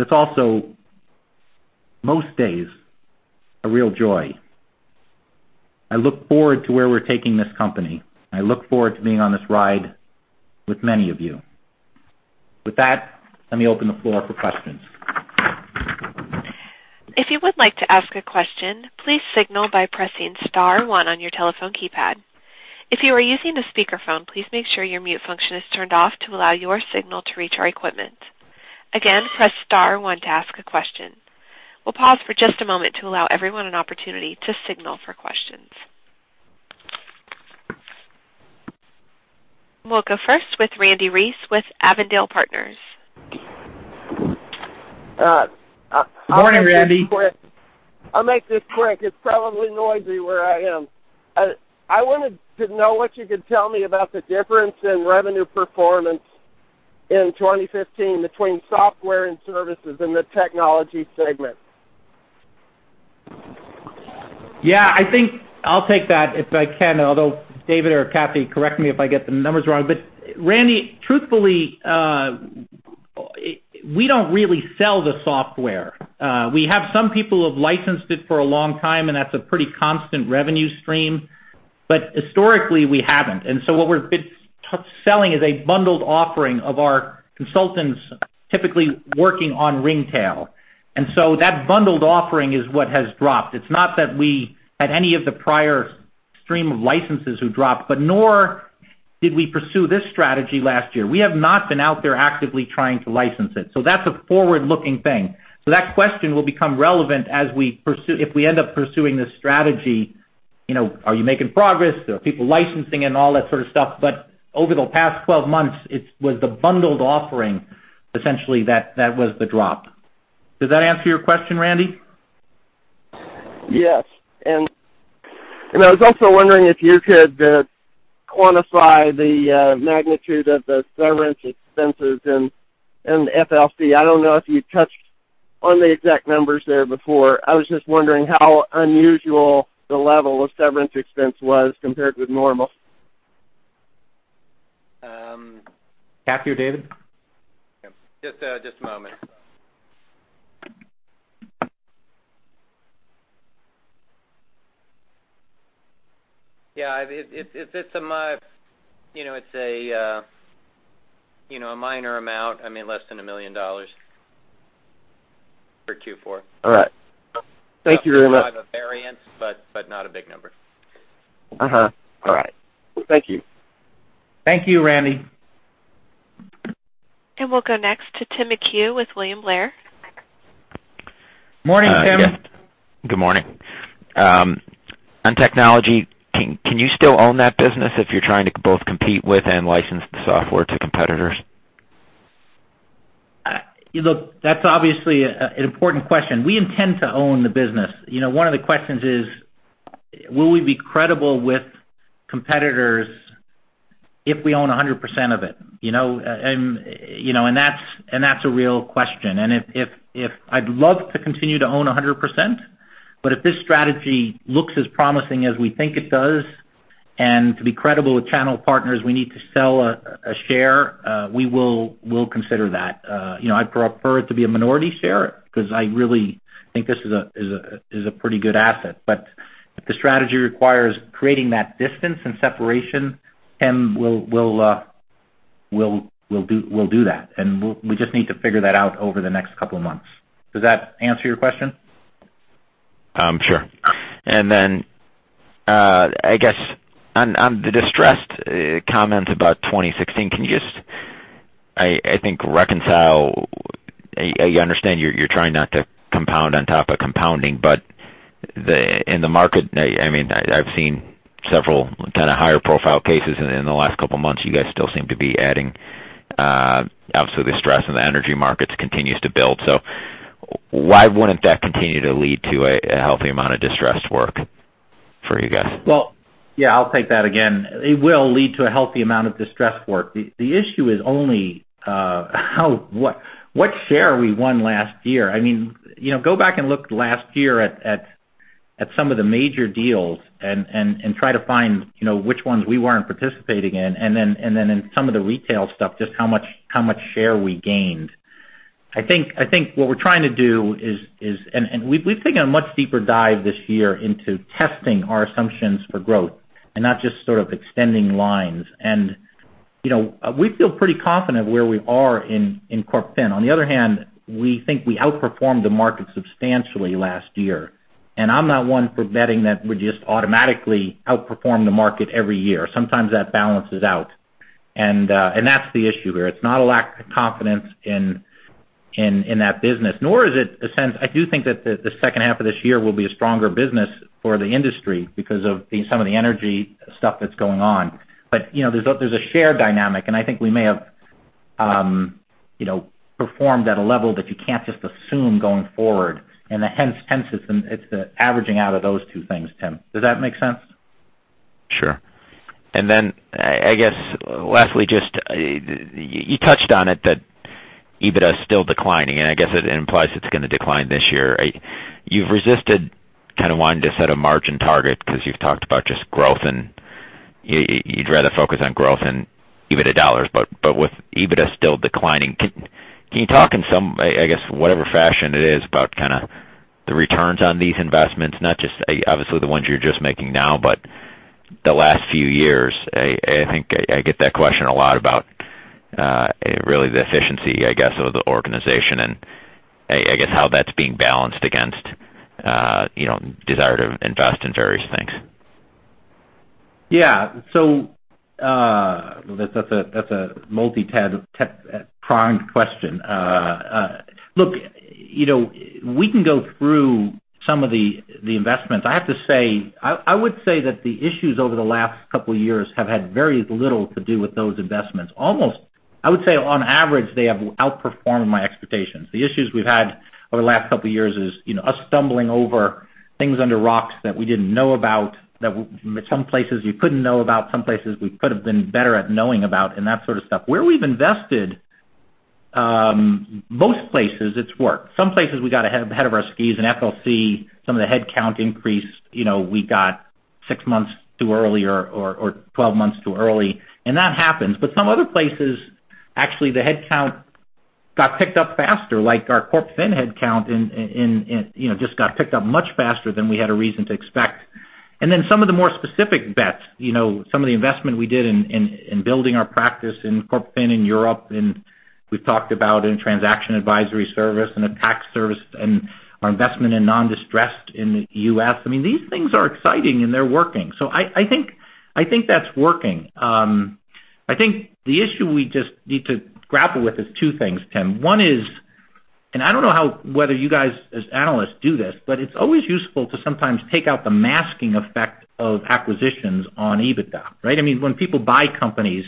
It's also, most days, a real joy. I look forward to where we're taking this company. I look forward to being on this ride with many of you. With that, let me open the floor for questions. If you would like to ask a question, please signal by pressing star one on your telephone keypad. If you are using a speakerphone, please make sure your mute function is turned off to allow your signal to reach our equipment. Again, press star one to ask a question. We'll pause for just a moment to allow everyone an opportunity to signal for questions. We'll go first with Randy Reece with Avondale Partners. Good morning, Randy. I'll make this quick. It's probably noisy where I am. I wanted to know what you could tell me about the difference in revenue performance in 2015 between software and services in the Technology segment. Yeah, I think I'll take that if I can, although David or Kathy, correct me if I get the numbers wrong. Randy, truthfully, we don't really sell the software. We have some people who have licensed it for a long time, and that's a pretty constant revenue stream, but historically, we haven't. What we've been selling is a bundled offering of our consultants typically working on Ringtail. That bundled offering is what has dropped. It's not that we had any of the prior stream of licenses who dropped, nor did we pursue this strategy last year. We have not been out there actively trying to license it. That's a forward-looking thing. That question will become relevant as we pursue if we end up pursuing this strategy, are you making progress? There are people licensing and all that sort of stuff. Over the past 12 months, it was the bundled offering, essentially that was the drop. Does that answer your question, Randy? Yes, I was also wondering if you could quantify the magnitude of the severance expenses in FLC. I don't know if you touched on the exact numbers there before. I was just wondering how unusual the level of severance expense was compared with normal. After you, David. Yeah. Just a moment. Yeah, it's a minor amount. Less than $1 million for Q4. All right. Thank you very much. A lot of variance, but not a big number. All right. Well, thank you. Thank you, Randy. We'll go next to Tim McHugh with William Blair. Morning, Tim. Yes. Good morning. On Technology, can you still own that business if you're trying to both compete with and license the software to competitors? Look, that's obviously an important question. We intend to own the business. One of the questions is, will we be credible with competitors if we own 100% of it? That's a real question. I'd love to continue to own 100%, but if this strategy looks as promising as we think it does, and to be credible with channel partners, we need to sell a share, we'll consider that. I'd prefer it to be a minority share, because I really think this is a pretty good asset. But if the strategy requires creating that distance and separation, Tim, we'll do that. We just need to figure that out over the next couple of months. Does that answer your question? Sure. Then, on the distressed comment about 2016, can you just reconcile. I understand you're trying not to compound on top of compounding, but in the market, I've seen several kind of higher profile cases in the last couple of months. You guys still seem to be adding absolute distress in the energy markets continues to build. Why wouldn't that continue to lead to a healthy amount of distressed work for you guys? I'll take that again. It will lead to a healthy amount of distressed work. The issue is only what share we won last year. Go back and look last year at some of the major deals and try to find which ones we weren't participating in. Then in some of the retail stuff, just how much share we gained. I think what we're trying to do is. We've taken a much deeper dive this year into testing our assumptions for growth and not just extending lines. We feel pretty confident where we are in CorpFin. On the other hand, we think we outperformed the market substantially last year, and I'm not one for betting that we just automatically outperform the market every year. Sometimes that balances out, and that's the issue here. It's not a lack of confidence in that business. I do think that the second half of this year will be a stronger business for the industry because of some of the energy stuff that's going on. There's a share dynamic, and I think we may have performed at a level that you can't just assume going forward. Hence, it's the averaging out of those two things, Tim. Does that make sense? Sure. I guess lastly, you touched on it that EBITDA is still declining, and I guess it implies it's going to decline this year. You've resisted kind of wanting to set a margin target because you've talked about just growth, and you'd rather focus on growth and EBITDA dollars. With EBITDA still declining, can you talk in some, I guess, whatever fashion it is, about kind of the returns on these investments? Not just obviously the ones you're just making now, but the last few years. I think I get that question a lot about really the efficiency, I guess, of the organization and I guess how that's being balanced against desire to invest in various things. Yeah. That's a multi-pronged question. Look, we can go through some of the investments. I would say that the issues over the last couple of years have had very little to do with those investments. Almost, I would say on average, they have outperformed my expectations. The issues we've had over the last couple of years is us stumbling over things under rocks that we didn't know about, that some places we couldn't know about, some places we could have been better at knowing about and that sort of stuff. Where we've invested, most places it's worked. Some places we got ahead of our skis in FLC, some of the headcount increased. We got 6 months too early or 12 months too early, and that happens. Some other places, actually, the headcount got picked up faster, like our CorpFin headcount just got picked up much faster than we had a reason to expect. Some of the more specific bets, some of the investment we did in building our practice in CorpFin in Europe, and we've talked about in transaction advisory service and a tax service, and our investment in non-distressed in the U.S. These things are exciting and they're working. I think that's working. I think the issue we just need to grapple with is two things, Tim. One is, I don't know whether you guys as analysts do this, but it's always useful to sometimes take out the masking effect of acquisitions on EBITDA, right? When people buy companies,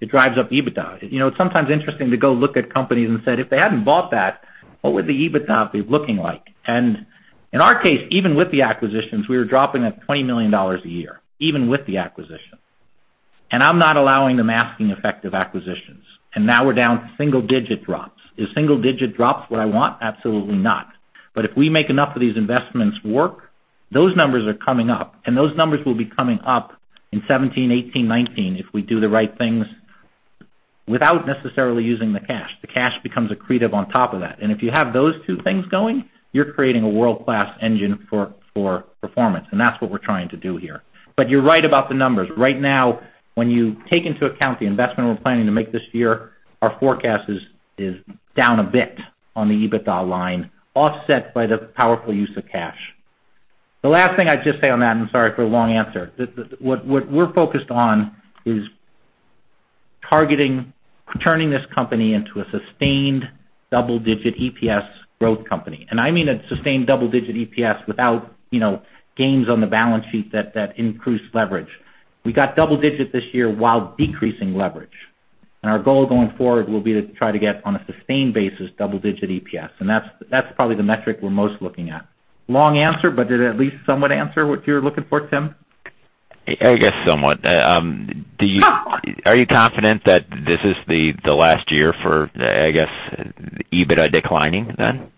it drives up EBITDA. It's sometimes interesting to go look at companies and say, "If they hadn't bought that. What would the EBITDA be looking like?" In our case, even with the acquisitions, we were dropping at $20 million a year, even with the acquisition. I'm not allowing the masking effect of acquisitions. Now we're down single-digit drops. Is single-digit drops what I want? Absolutely not. If we make enough of these investments work, those numbers are coming up, and those numbers will be coming up in 2017, 2018, 2019, if we do the right things without necessarily using the cash. The cash becomes accretive on top of that. If you have those two things going, you're creating a world-class engine for performance. That's what we're trying to do here. You're right about the numbers. Right now, when you take into account the investment we're planning to make this year, our forecast is down a bit on the EBITDA line, offset by the powerful use of cash. The last thing I'd just say on that, and sorry for the long answer, what we're focused on is targeting turning this company into a sustained double-digit EPS growth company. I mean a sustained double-digit EPS without gains on the balance sheet that increase leverage. We got double digit this year while decreasing leverage. Our goal going forward will be to try to get, on a sustained basis, double-digit EPS. That's probably the metric we're most looking at. Long answer, did it at least somewhat answer what you were looking for, Tim? I guess somewhat. Are you confident that this is the last year for, I guess, EBITDA declining then,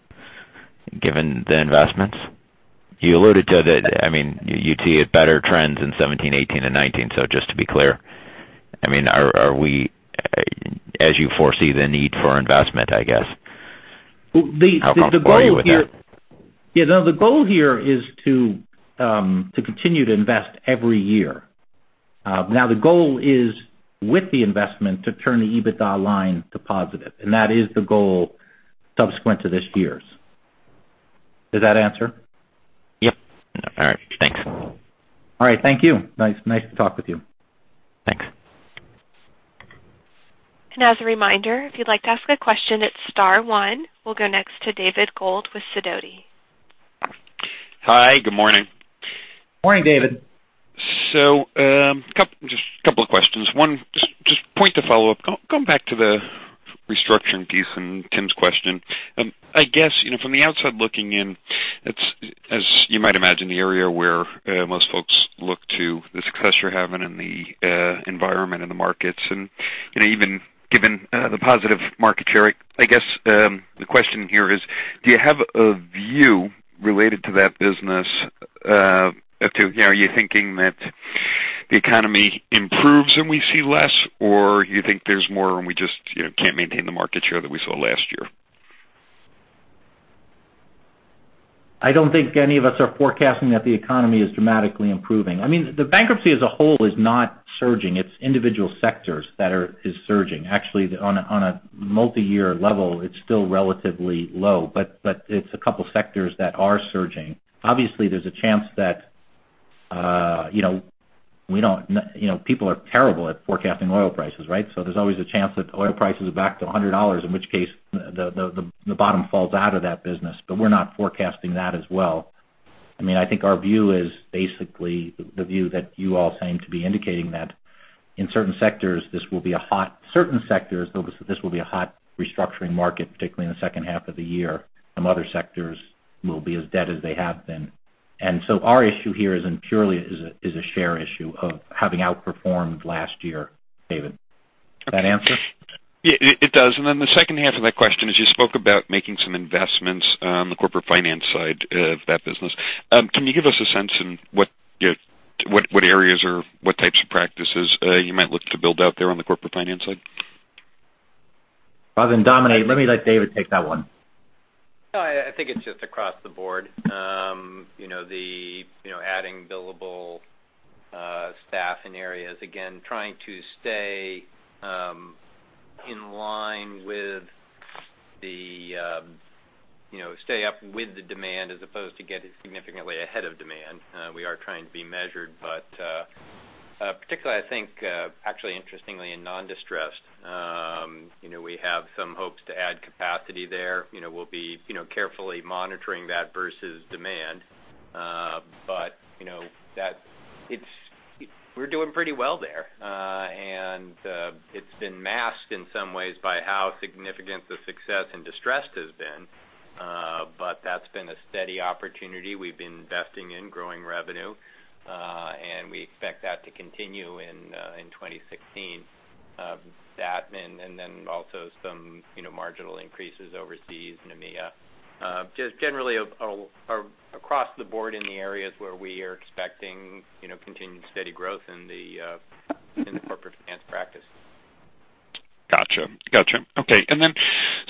given the investments? You alluded to the You'd see better trends in 2017, 2018, and 2019. Just to be clear. As you foresee the need for investment, I guess. How comfortable are you with that? The goal here is to continue to invest every year. Now, the goal is with the investment, to turn the EBITDA line to positive, that is the goal subsequent to this year's. Does that answer? Yep. All right. Thanks. All right. Thank you. Nice to talk with you. Thanks. As a reminder, if you'd like to ask a question, it's star one. We'll go next to David Gold with Sidoti. Hi. Good morning. Morning, David. Just a couple of questions. One, just point to follow-up. Going back to the restructuring piece in Tim's question. I guess, from the outside looking in, it's, as you might imagine, the area where most folks look to the success you're having in the environment and the markets, and even given the positive market share. I guess the question here is: do you have a view related to that business? Are you thinking that the economy improves and we see less? You think there's more and we just can't maintain the market share that we saw last year? I don't think any of us are forecasting that the economy is dramatically improving. The bankruptcy as a whole is not surging. It's individual sectors that is surging. Actually, on a multi-year level, it's still relatively low, but it's a couple sectors that are surging. Obviously, there's a chance that People are terrible at forecasting oil prices, right? There's always a chance that oil prices are back to $100, in which case, the bottom falls out of that business. We're not forecasting that as well. I think our view is basically the view that you all seem to be indicating, that in certain sectors, this will be a hot restructuring market, particularly in the second half of the year. Some other sectors will be as dead as they have been. Our issue here is purely a share issue of having outperformed last year, David. Does that answer? it does. The second half of that question is, you spoke about making some investments on the corporate finance side of that business. Can you give us a sense in what types of practices you might look to build out there on the corporate finance side? Rather than Dominic, let me let David take that one. I think it's just across the board. Adding billable staff in areas. Again, trying to stay up with the demand as opposed to getting significantly ahead of demand. We are trying to be measured, particularly, I think, actually interestingly, in non-distressed. We have some hopes to add capacity there. We'll be carefully monitoring that versus demand. We're doing pretty well there. It's been masked in some ways by how significant the success in distressed has been. That's been a steady opportunity we've been investing in growing revenue, and we expect that to continue in 2016. Also some marginal increases overseas in EMEA. Generally across the board in the areas where we are expecting continued steady growth in the corporate finance practice. Got you. Okay.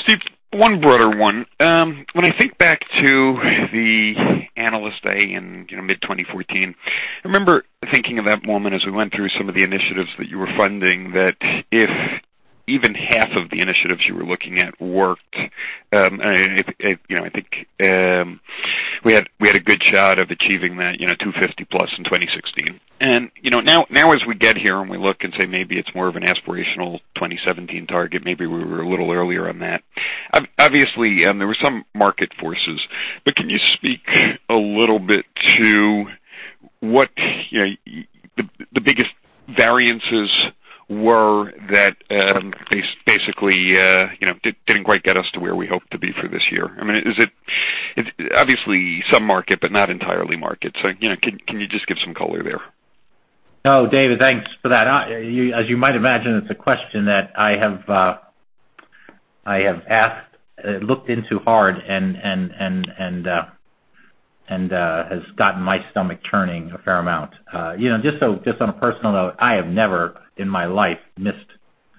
Steve, one broader one. When I think back to the Analyst Day in mid-2014, I remember thinking at that moment as we went through some of the initiatives that you were funding, that if even half of the initiatives you were looking at worked, I think we had a good shot of achieving that 250 plus in 2016. Now as we get here and we look and say maybe it's more of an aspirational 2017 target, maybe we were a little earlier on that. Obviously, there were some market forces. Can you speak a little bit to what the biggest variances were that, basically, didn't quite get us to where we hope to be for this year. Obviously, some market, but not entirely market. Can you just give some color there? David, thanks for that. As you might imagine, it's a question that I have looked into hard and has gotten my stomach churning a fair amount. Just on a personal note, I have never in my life missed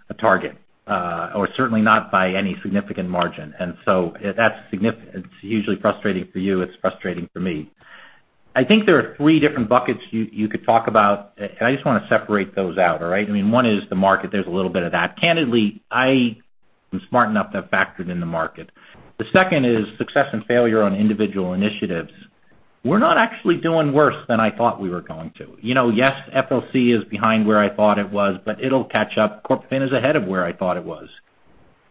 a target, or certainly not by any significant margin. That's significant. It's hugely frustrating for you. It's frustrating for me. I think there are three different buckets you could talk about, and I just want to separate those out. All right? One is the market. There's a little bit of that. Candidly, I am smart enough to have factored in the market. The second is success and failure on individual initiatives. We're not actually doing worse than I thought we were going to. Yes, FLC is behind where I thought it was, but it'll catch up. Corporate Finance is ahead of where I thought it was.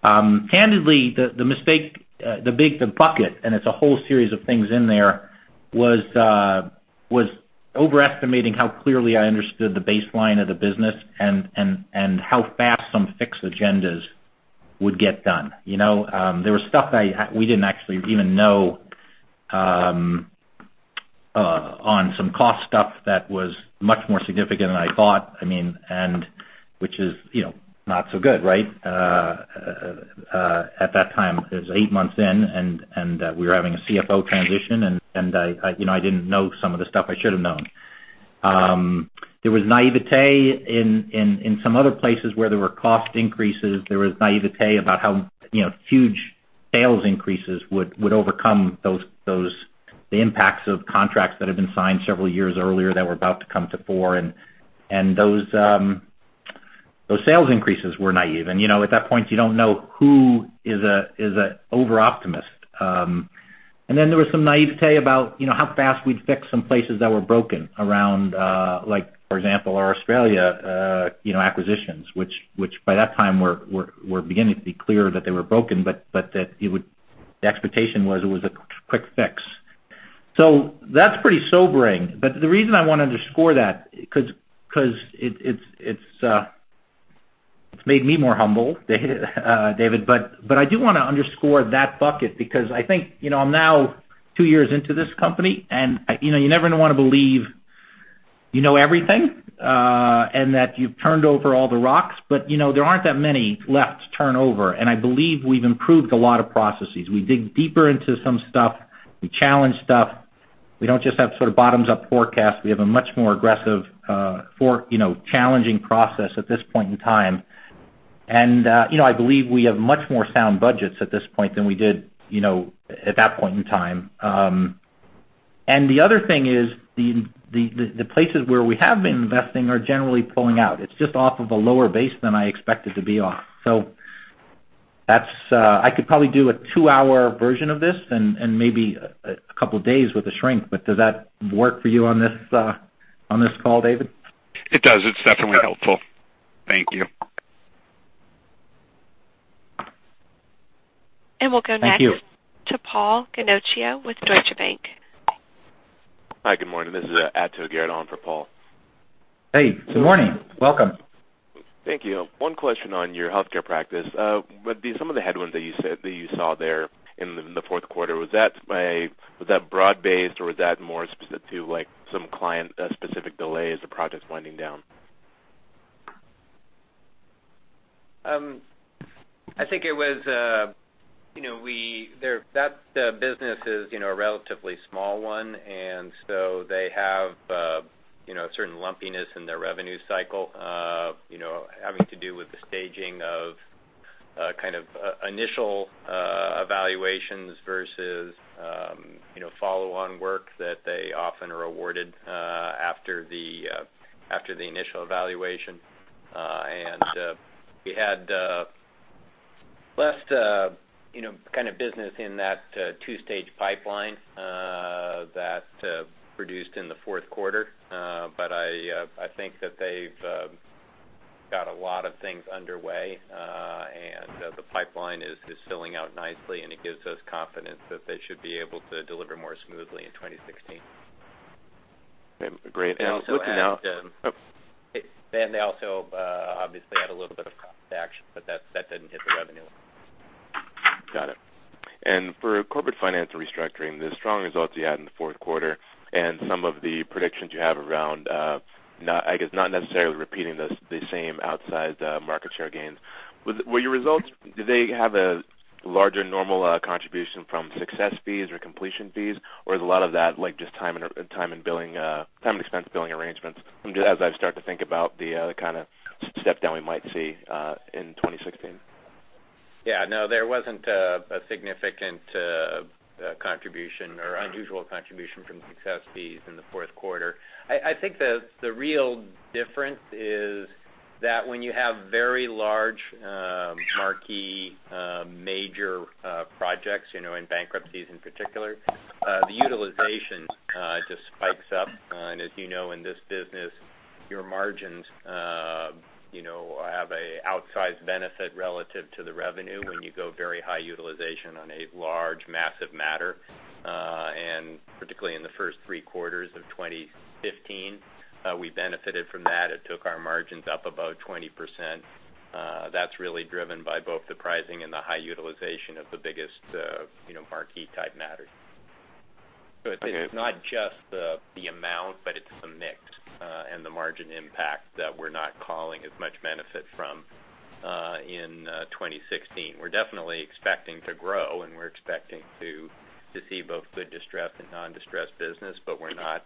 Candidly, the mistake, the big, the bucket, and it's a whole series of things in there, was overestimating how clearly I understood the baseline of the business and how fast some fix agendas would get done. There was stuff that we didn't actually even know on some cost stuff that was much more significant than I thought, and which is not so good, right? At that time, it was eight months in, and we were having a CFO transition, and I didn't know some of the stuff I should have known. There was naiveté in some other places where there were cost increases. There was naiveté about how huge sales increases would overcome the impacts of contracts that had been signed several years earlier that were about to come to fore, and those sales increases were naive. At that point, you don't know who is an over-optimist. There was some naiveté about how fast we'd fix some places that were broken around, for example, our Australia acquisitions, which by that time were beginning to be clear that they were broken, but that the expectation was it was a quick fix. That's pretty sobering, the reason I want to underscore that, because it's made me more humble, David. I do want to underscore that bucket because I think I'm now two years into this company, and you never want to believe you know everything, that you've turned over all the rocks, but there aren't that many left to turn over. I believe we've improved a lot of processes. We dig deeper into some stuff. We challenge stuff. We don't just have sort of bottoms-up forecast. We have a much more aggressive challenging process at this point in time. I believe we have much more sound budgets at this point than we did at that point in time. The other thing is the places where we have been investing are generally pulling out. It's just off of a lower base than I expect it to be on. I could probably do a two-hour version of this and maybe a couple of days with a shrink, does that work for you on this call, David? It does. It's definitely helpful. Thank you. We'll go next. Thank you to Paul Ginocchio with Deutsche Bank. Hi, good morning. This is Ato Garrett for Paul. Hey, good morning. Welcome. Thank you. One question on your healthcare practice. With some of the headwinds that you saw there in the fourth quarter, was that broad-based, or was that more specific to some client-specific delays of projects winding down? I think that business is a relatively small one, and so they have certain lumpiness in their revenue cycle, having to do with the staging of kind of initial evaluations versus follow-on work that they often are awarded after the initial evaluation. We had less kind of business in that 2-stage pipeline that produced in the fourth quarter. I think that they've got a lot of things underway, and the pipeline is filling out nicely, and it gives us confidence that they should be able to deliver more smoothly in 2016. Great. They also obviously had a little bit of cost action, but that didn't hit the revenue. Got it. For Corporate Finance & Restructuring, the strong results you had in the fourth quarter and some of the predictions you have around, I guess, not necessarily repeating the same outsized market share gains. With your results, do they have a larger normal contribution from success fees or completion fees, or is a lot of that just time and expense billing arrangements, as I start to think about the kind of step-down we might see in 2016? Yeah, no, there wasn't a significant contribution or unusual contribution from success fees in the fourth quarter. I think the real difference is that when you have very large marquee major projects, in bankruptcies in particular, the utilization just spikes up. As you know, in this business, your margins are The outsized benefit relative to the revenue when you go very high utilization on a large massive matter, and particularly in the first three quarters of 2015, we benefited from that. It took our margins up about 20%. That's really driven by both the pricing and the high utilization of the biggest marquee-type matters. Okay. It's not just the amount, but it's the mix and the margin impact that we're not calling as much benefit from in 2016. We're definitely expecting to grow, and we're expecting to see both good distressed and non-distressed business, but we're not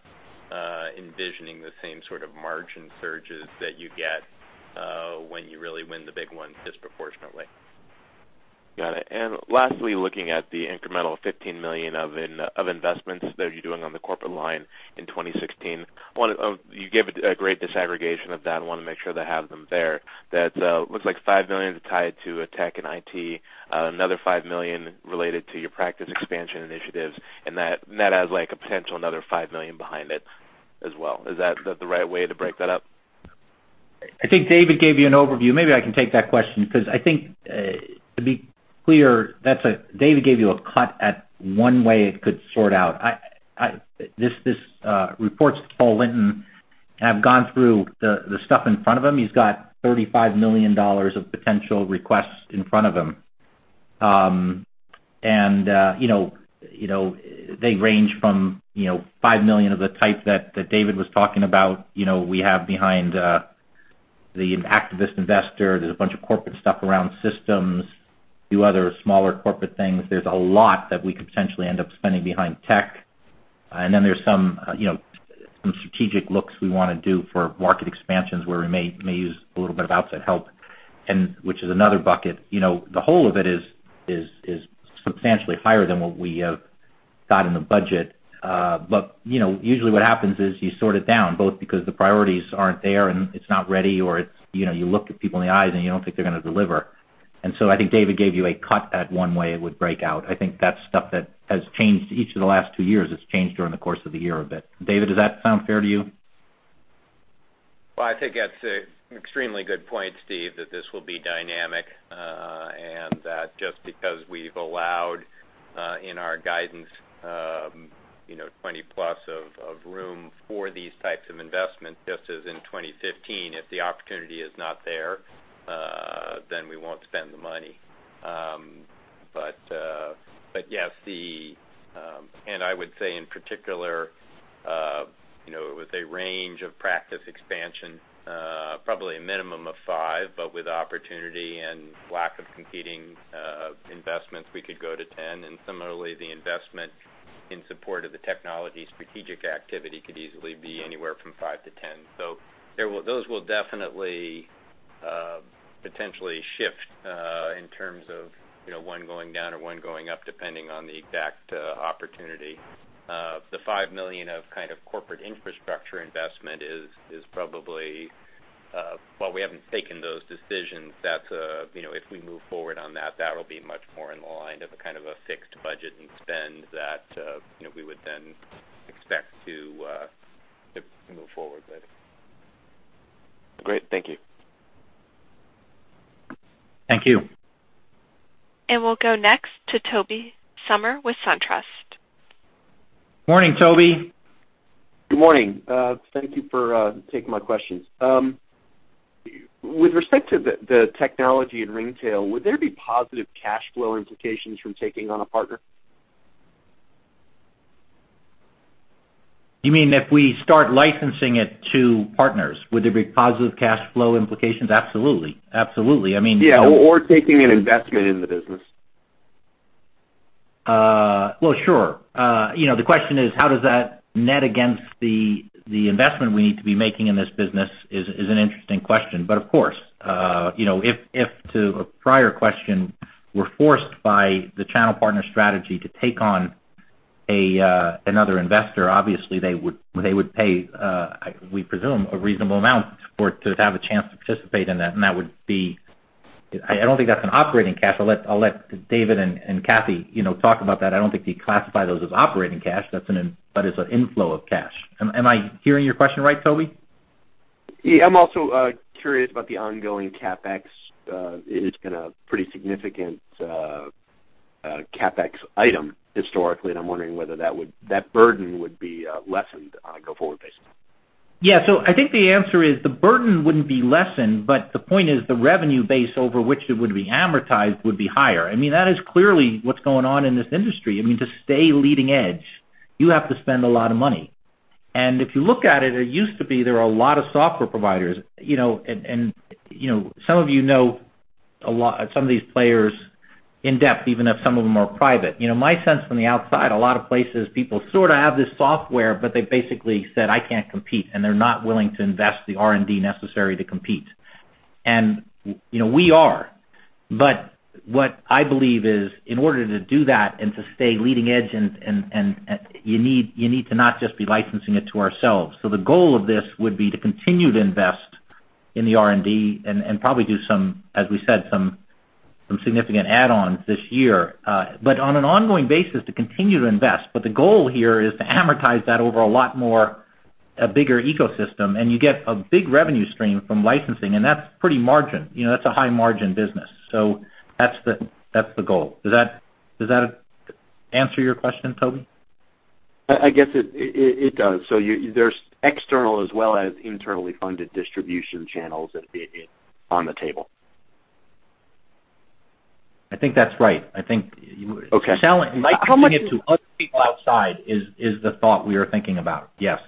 envisioning the same sort of margin surges that you get when you really win the big ones disproportionately. Got it. Lastly, looking at the incremental $15 million of investments that you're doing on the corporate line in 2016. You gave a great disaggregation of that. I want to make sure that I have them there. That looks like $5 million is tied to tech and IT, another $5 million related to your practice expansion initiatives, and that has a potential another $5 million behind it as well. Is that the right way to break that up? I think David gave you an overview. Maybe I can take that question because I think, to be clear, David gave you a cut at one way it could sort out. This reports to Paul Linton have gone through the stuff in front of him. He's got $35 million of potential requests in front of him. They range from $5 million of the type that David was talking about. We have behind the activist investor, there's a bunch of corporate stuff around systems, a few other smaller corporate things. There's a lot that we could potentially end up spending behind tech. Then there's some strategic looks we want to do for market expansions where we may use a little bit of outside help, which is another bucket. The whole of it is substantially higher than what we have got in the budget. Usually what happens is you sort it down both because the priorities aren't there and it's not ready, or you look at people in the eyes and you don't think they're going to deliver. I think David gave you a cut at one way it would break out. I think that's stuff that has changed each of the last two years. It's changed during the course of the year a bit. David, does that sound fair to you? I think that's an extremely good point, Steve, that this will be dynamic. That just because we've allowed in our guidance 20+ of room for these types of investments, just as in 2015, if the opportunity is not there, then we won't spend the money. Yes, and I would say in particular with a range of practice expansion, probably a minimum of five, but with opportunity and lack of competing investments, we could go to 10. Similarly, the investment in support of the Technology strategic activity could easily be anywhere from five to 10. Those will definitely potentially shift in terms of one going down or one going up, depending on the exact opportunity. The $5 million of kind of corporate infrastructure investment is probably. We haven't taken those decisions. If we move forward on that'll be much more in line of a kind of a fixed budget and spend that we would then expect to move forward with. Great. Thank you. Thank you. We'll go next to Tobey Sommer with SunTrust. Morning, Tobey. Good morning. Thank you for taking my questions. With respect to the Technology in Ringtail, would there be positive cash flow implications from taking on a partner? You mean if we start licensing it to partners, would there be positive cash flow implications? Absolutely. Yeah. Taking an investment in the business. Well, sure. The question is, how does that net against the investment we need to be making in this business is an interesting question. Of course, if to a prior question, we're forced by the channel partner strategy to take on another investor, obviously they would pay, we presume, a reasonable amount to have a chance to participate in that. I don't think that's an operating cash. I'll let David and Kathy talk about that. I don't think they classify those as operating cash. That is an inflow of cash. Am I hearing your question right, Tobey? Yeah, I'm also curious about the ongoing CapEx. It's been a pretty significant CapEx item historically. I'm wondering whether that burden would be lessened on a go-forward basis. Yeah. I think the answer is the burden wouldn't be lessened, but the point is the revenue base over which it would be amortized would be higher. That is clearly what's going on in this industry. To stay leading edge, you have to spend a lot of money. If you look at it used to be there were a lot of software providers. Some of you know some of these players in depth, even if some of them are private. My sense from the outside, a lot of places, people sort of have this software, but they basically said, "I can't compete," and they're not willing to invest the R&D necessary to compete. We are. What I believe is in order to do that and to stay leading edge, you need to not just be licensing it to ourselves. The goal of this would be to continue to invest in the R&D and probably do some, as we said, some significant add-ons this year. On an ongoing basis, to continue to invest, but the goal here is to amortize that over a lot more, a bigger ecosystem, and you get a big revenue stream from licensing, and that's pretty margin. That's a high-margin business. That's the goal. Does that answer your question, Tobey? I guess it does. There's external as well as internally funded distribution channels that being on the table. I think that's right. I think Okay. Selling it to other people outside is the thought we are thinking about. Yes.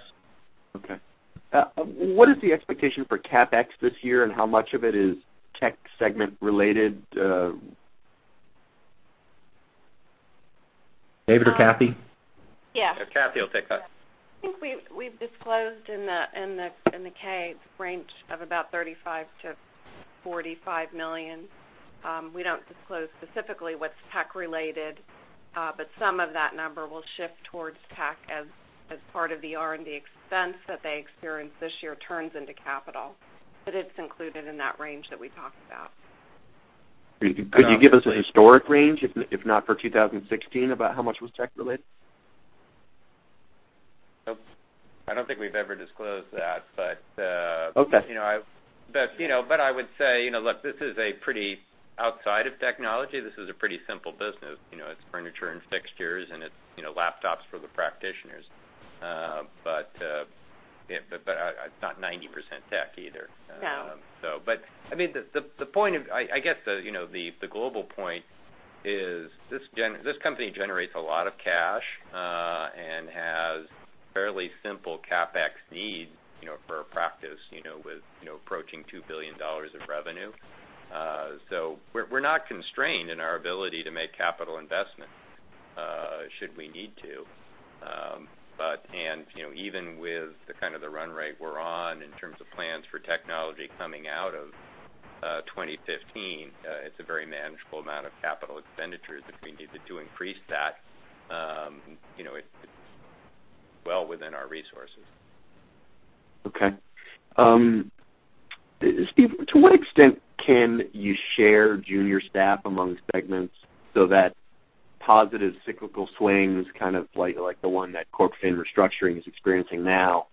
What is the expectation for CapEx this year, and how much of it is tech segment related? David or Kathy? Yes. Kathy will take that. I think we've disclosed in the K, it's a range of about $35 million-$45 million. We don't disclose specifically what's tech-related, but some of that number will shift towards tech as part of the R&D expense that they experience this year turns into capital. It's included in that range that we talked about. Could you give us a historic range, if not for 2016, about how much was tech-related? I don't think we've ever disclosed that. Okay I would say, look, outside of technology, this is a pretty simple business. It's furniture and fixtures, and it's laptops for the practitioners. It's not 90% tech either. No. I guess the global point is this company generates a lot of cash, and has fairly simple CapEx needs for a practice with approaching $2 billion of revenue. We're not constrained in our ability to make capital investments should we need to. Even with the kind of the run rate we're on in terms of plans for technology coming out of 2015, it's a very manageable amount of capital expenditures if we needed to increase that. It's well within our resources. Okay. Steve, to what extent can you share junior staff among segments so that positive cyclical swings, kind of like the one that CorpFin Restructuring is experiencing now,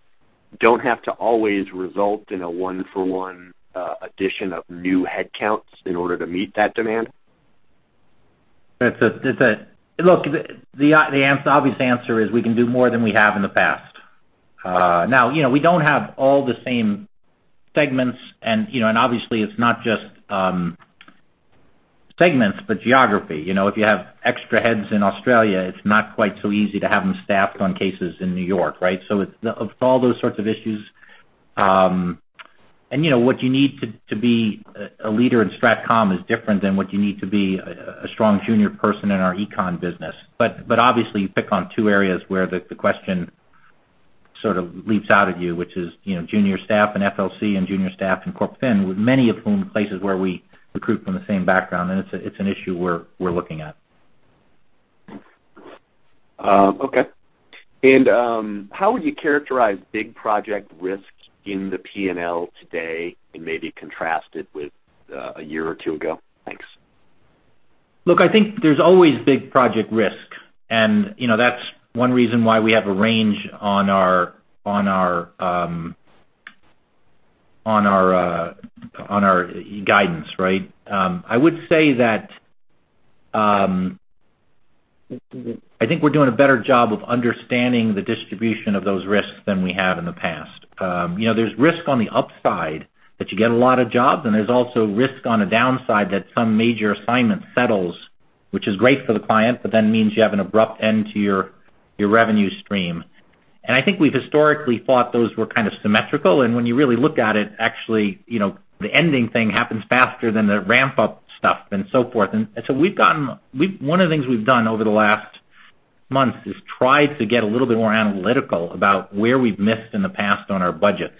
don't have to always result in a one-for-one addition of new headcounts in order to meet that demand? Look, the obvious answer is we can do more than we have in the past. We don't have all the same segments, and obviously, it's not just segments, but geography. If you have extra heads in Australia, it's not quite so easy to have them staffed on cases in New York, right? It's all those sorts of issues. What you need to be a leader in Strategic Communications is different than what you need to be a strong junior person in our Econ business. Obviously, you pick on two areas where the question sort of leaps out at you, which is junior staff in FLC and junior staff in CorpFin, many of whom places where we recruit from the same background, and it's an issue we're looking at. Okay. How would you characterize big project risks in the P&L today and maybe contrast it with a year or two ago? Thanks. Look, I think there's always big project risk, that's one reason why we have a range on our guidance, right? I would say that I think we're doing a better job of understanding the distribution of those risks than we have in the past. There's risk on the upside that you get a lot of jobs, there's also risk on the downside that some major assignment settles, which is great for the client, but then means you have an abrupt end to your revenue stream. I think we've historically thought those were kind of symmetrical, when you really look at it, actually, the ending thing happens faster than the ramp-up stuff and so forth. One of the things we've done over the last months is try to get a little bit more analytical about where we've missed in the past on our budgets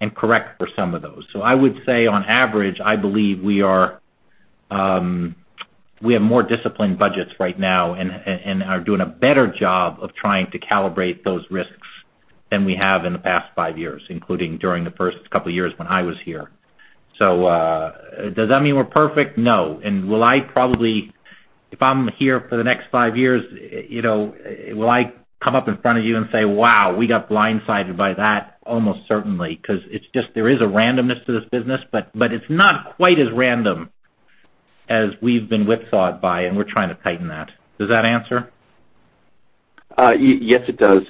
and correct for some of those. I would say on average, I believe we have more disciplined budgets right now and are doing a better job of trying to calibrate those risks than we have in the past five years, including during the first couple of years when I was here. Does that mean we're perfect? No. If I'm here for the next five years, will I come up in front of you and say, "Wow, we got blindsided by that?" Almost certainly, because there is a randomness to this business, but it's not quite as random as we've been whipsawed by, we're trying to tighten that. Does that answer? Yes, it does.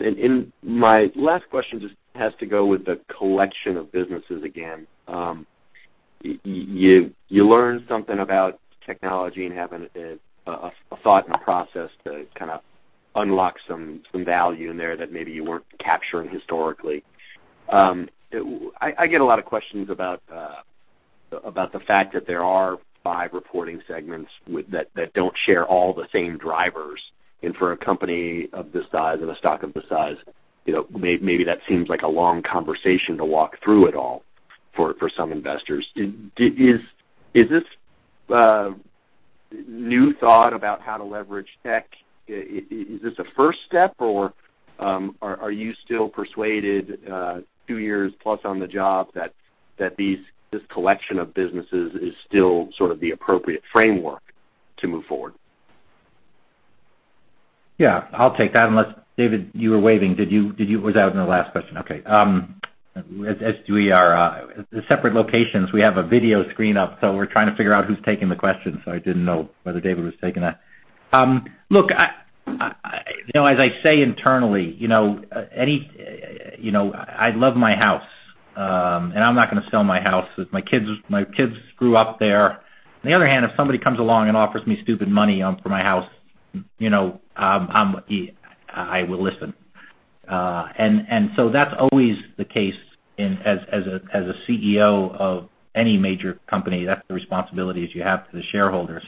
My last question just has to go with the collection of businesses again. You learn something about Technology and having a thought and a process to kind of unlock some value in there that maybe you weren't capturing historically. I get a lot of questions about the fact that there are five reporting segments that don't share all the same drivers. For a company of this size and a stock of this size maybe that seems like a long conversation to walk through it all for some investors. Is this new thought about how to leverage tech, is this a first step, or are you still persuaded, two years plus on the job, that this collection of businesses is still sort of the appropriate framework to move forward? Yeah, I'll take that unless, David, you were waving. Was that on the last question? Okay. As we are separate locations, we have a video screen up, we're trying to figure out who's taking the question. I didn't know whether David was taking that. Look, as I say internally, I love my house, I'm not going to sell my house. My kids grew up there. On the other hand, if somebody comes along and offers me stupid money for my house, I will listen. That's always the case as a CEO of any major company, that's the responsibilities you have to the shareholders.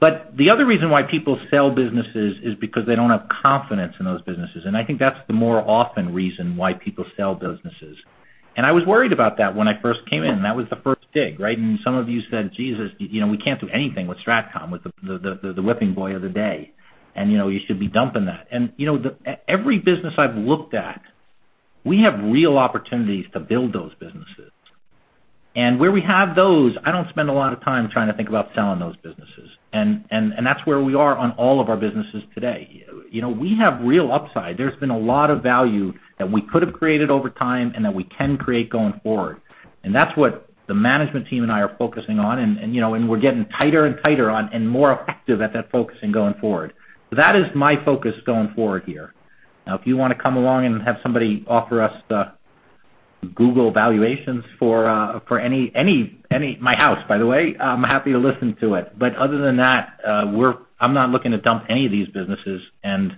The other reason why people sell businesses is because they don't have confidence in those businesses, I think that's the more often reason why people sell businesses. I was worried about that when I first came in. That was the first dig, right? Some of you said, "Jesus, we can't do anything with Strategic Communications," with the whipping boy of the day, you should be dumping that. Every business I've looked at, we have real opportunities to build those businesses. Where we have those, I don't spend a lot of time trying to think about selling those businesses. That's where we are on all of our businesses today. We have real upside. There's been a lot of value that we could have created over time and that we can create going forward. That's what the management team and I are focusing on, and we're getting tighter and tighter and more effective at that focusing going forward. That is my focus going forward here. Now, if you want to come along and have somebody offer us the Google valuations for my house, by the way, I'm happy to listen to it. Other than that, I'm not looking to dump any of these businesses, and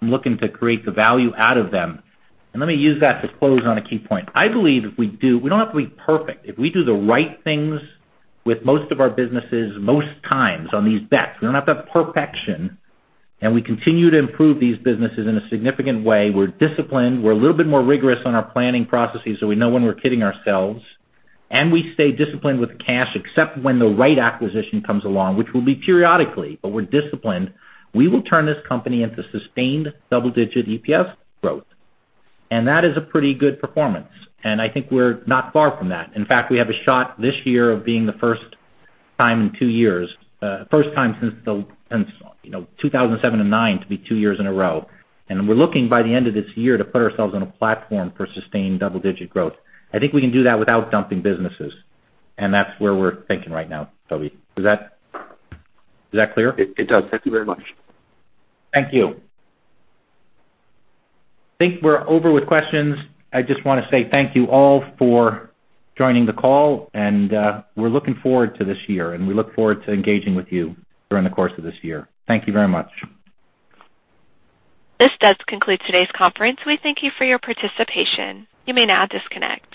I'm looking to create the value out of them. Let me use that to close on a key point. We don't have to be perfect. If we do the right things with most of our businesses, most times on these bets, we don't have to have perfection, and we continue to improve these businesses in a significant way. We're disciplined. We're a little bit more rigorous on our planning processes, so we know when we're kidding ourselves. We stay disciplined with the cash, except when the right acquisition comes along, which will be periodically, but we're disciplined. We will turn this company into sustained double-digit EPS growth. That is a pretty good performance. I think we're not far from that. In fact, we have a shot this year of being the first time in 2 years, first time since 2007 and 2009 to be 2 years in a row. We're looking by the end of this year to put ourselves on a platform for sustained double-digit growth. I think we can do that without dumping businesses. That's where we're thinking right now, Tobey. Is that clear? It does. Thank you very much. Thank you. I think we're over with questions. I just want to say thank you all for joining the call. We're looking forward to this year. We look forward to engaging with you during the course of this year. Thank you very much. This does conclude today's conference. We thank you for your participation. You may now disconnect.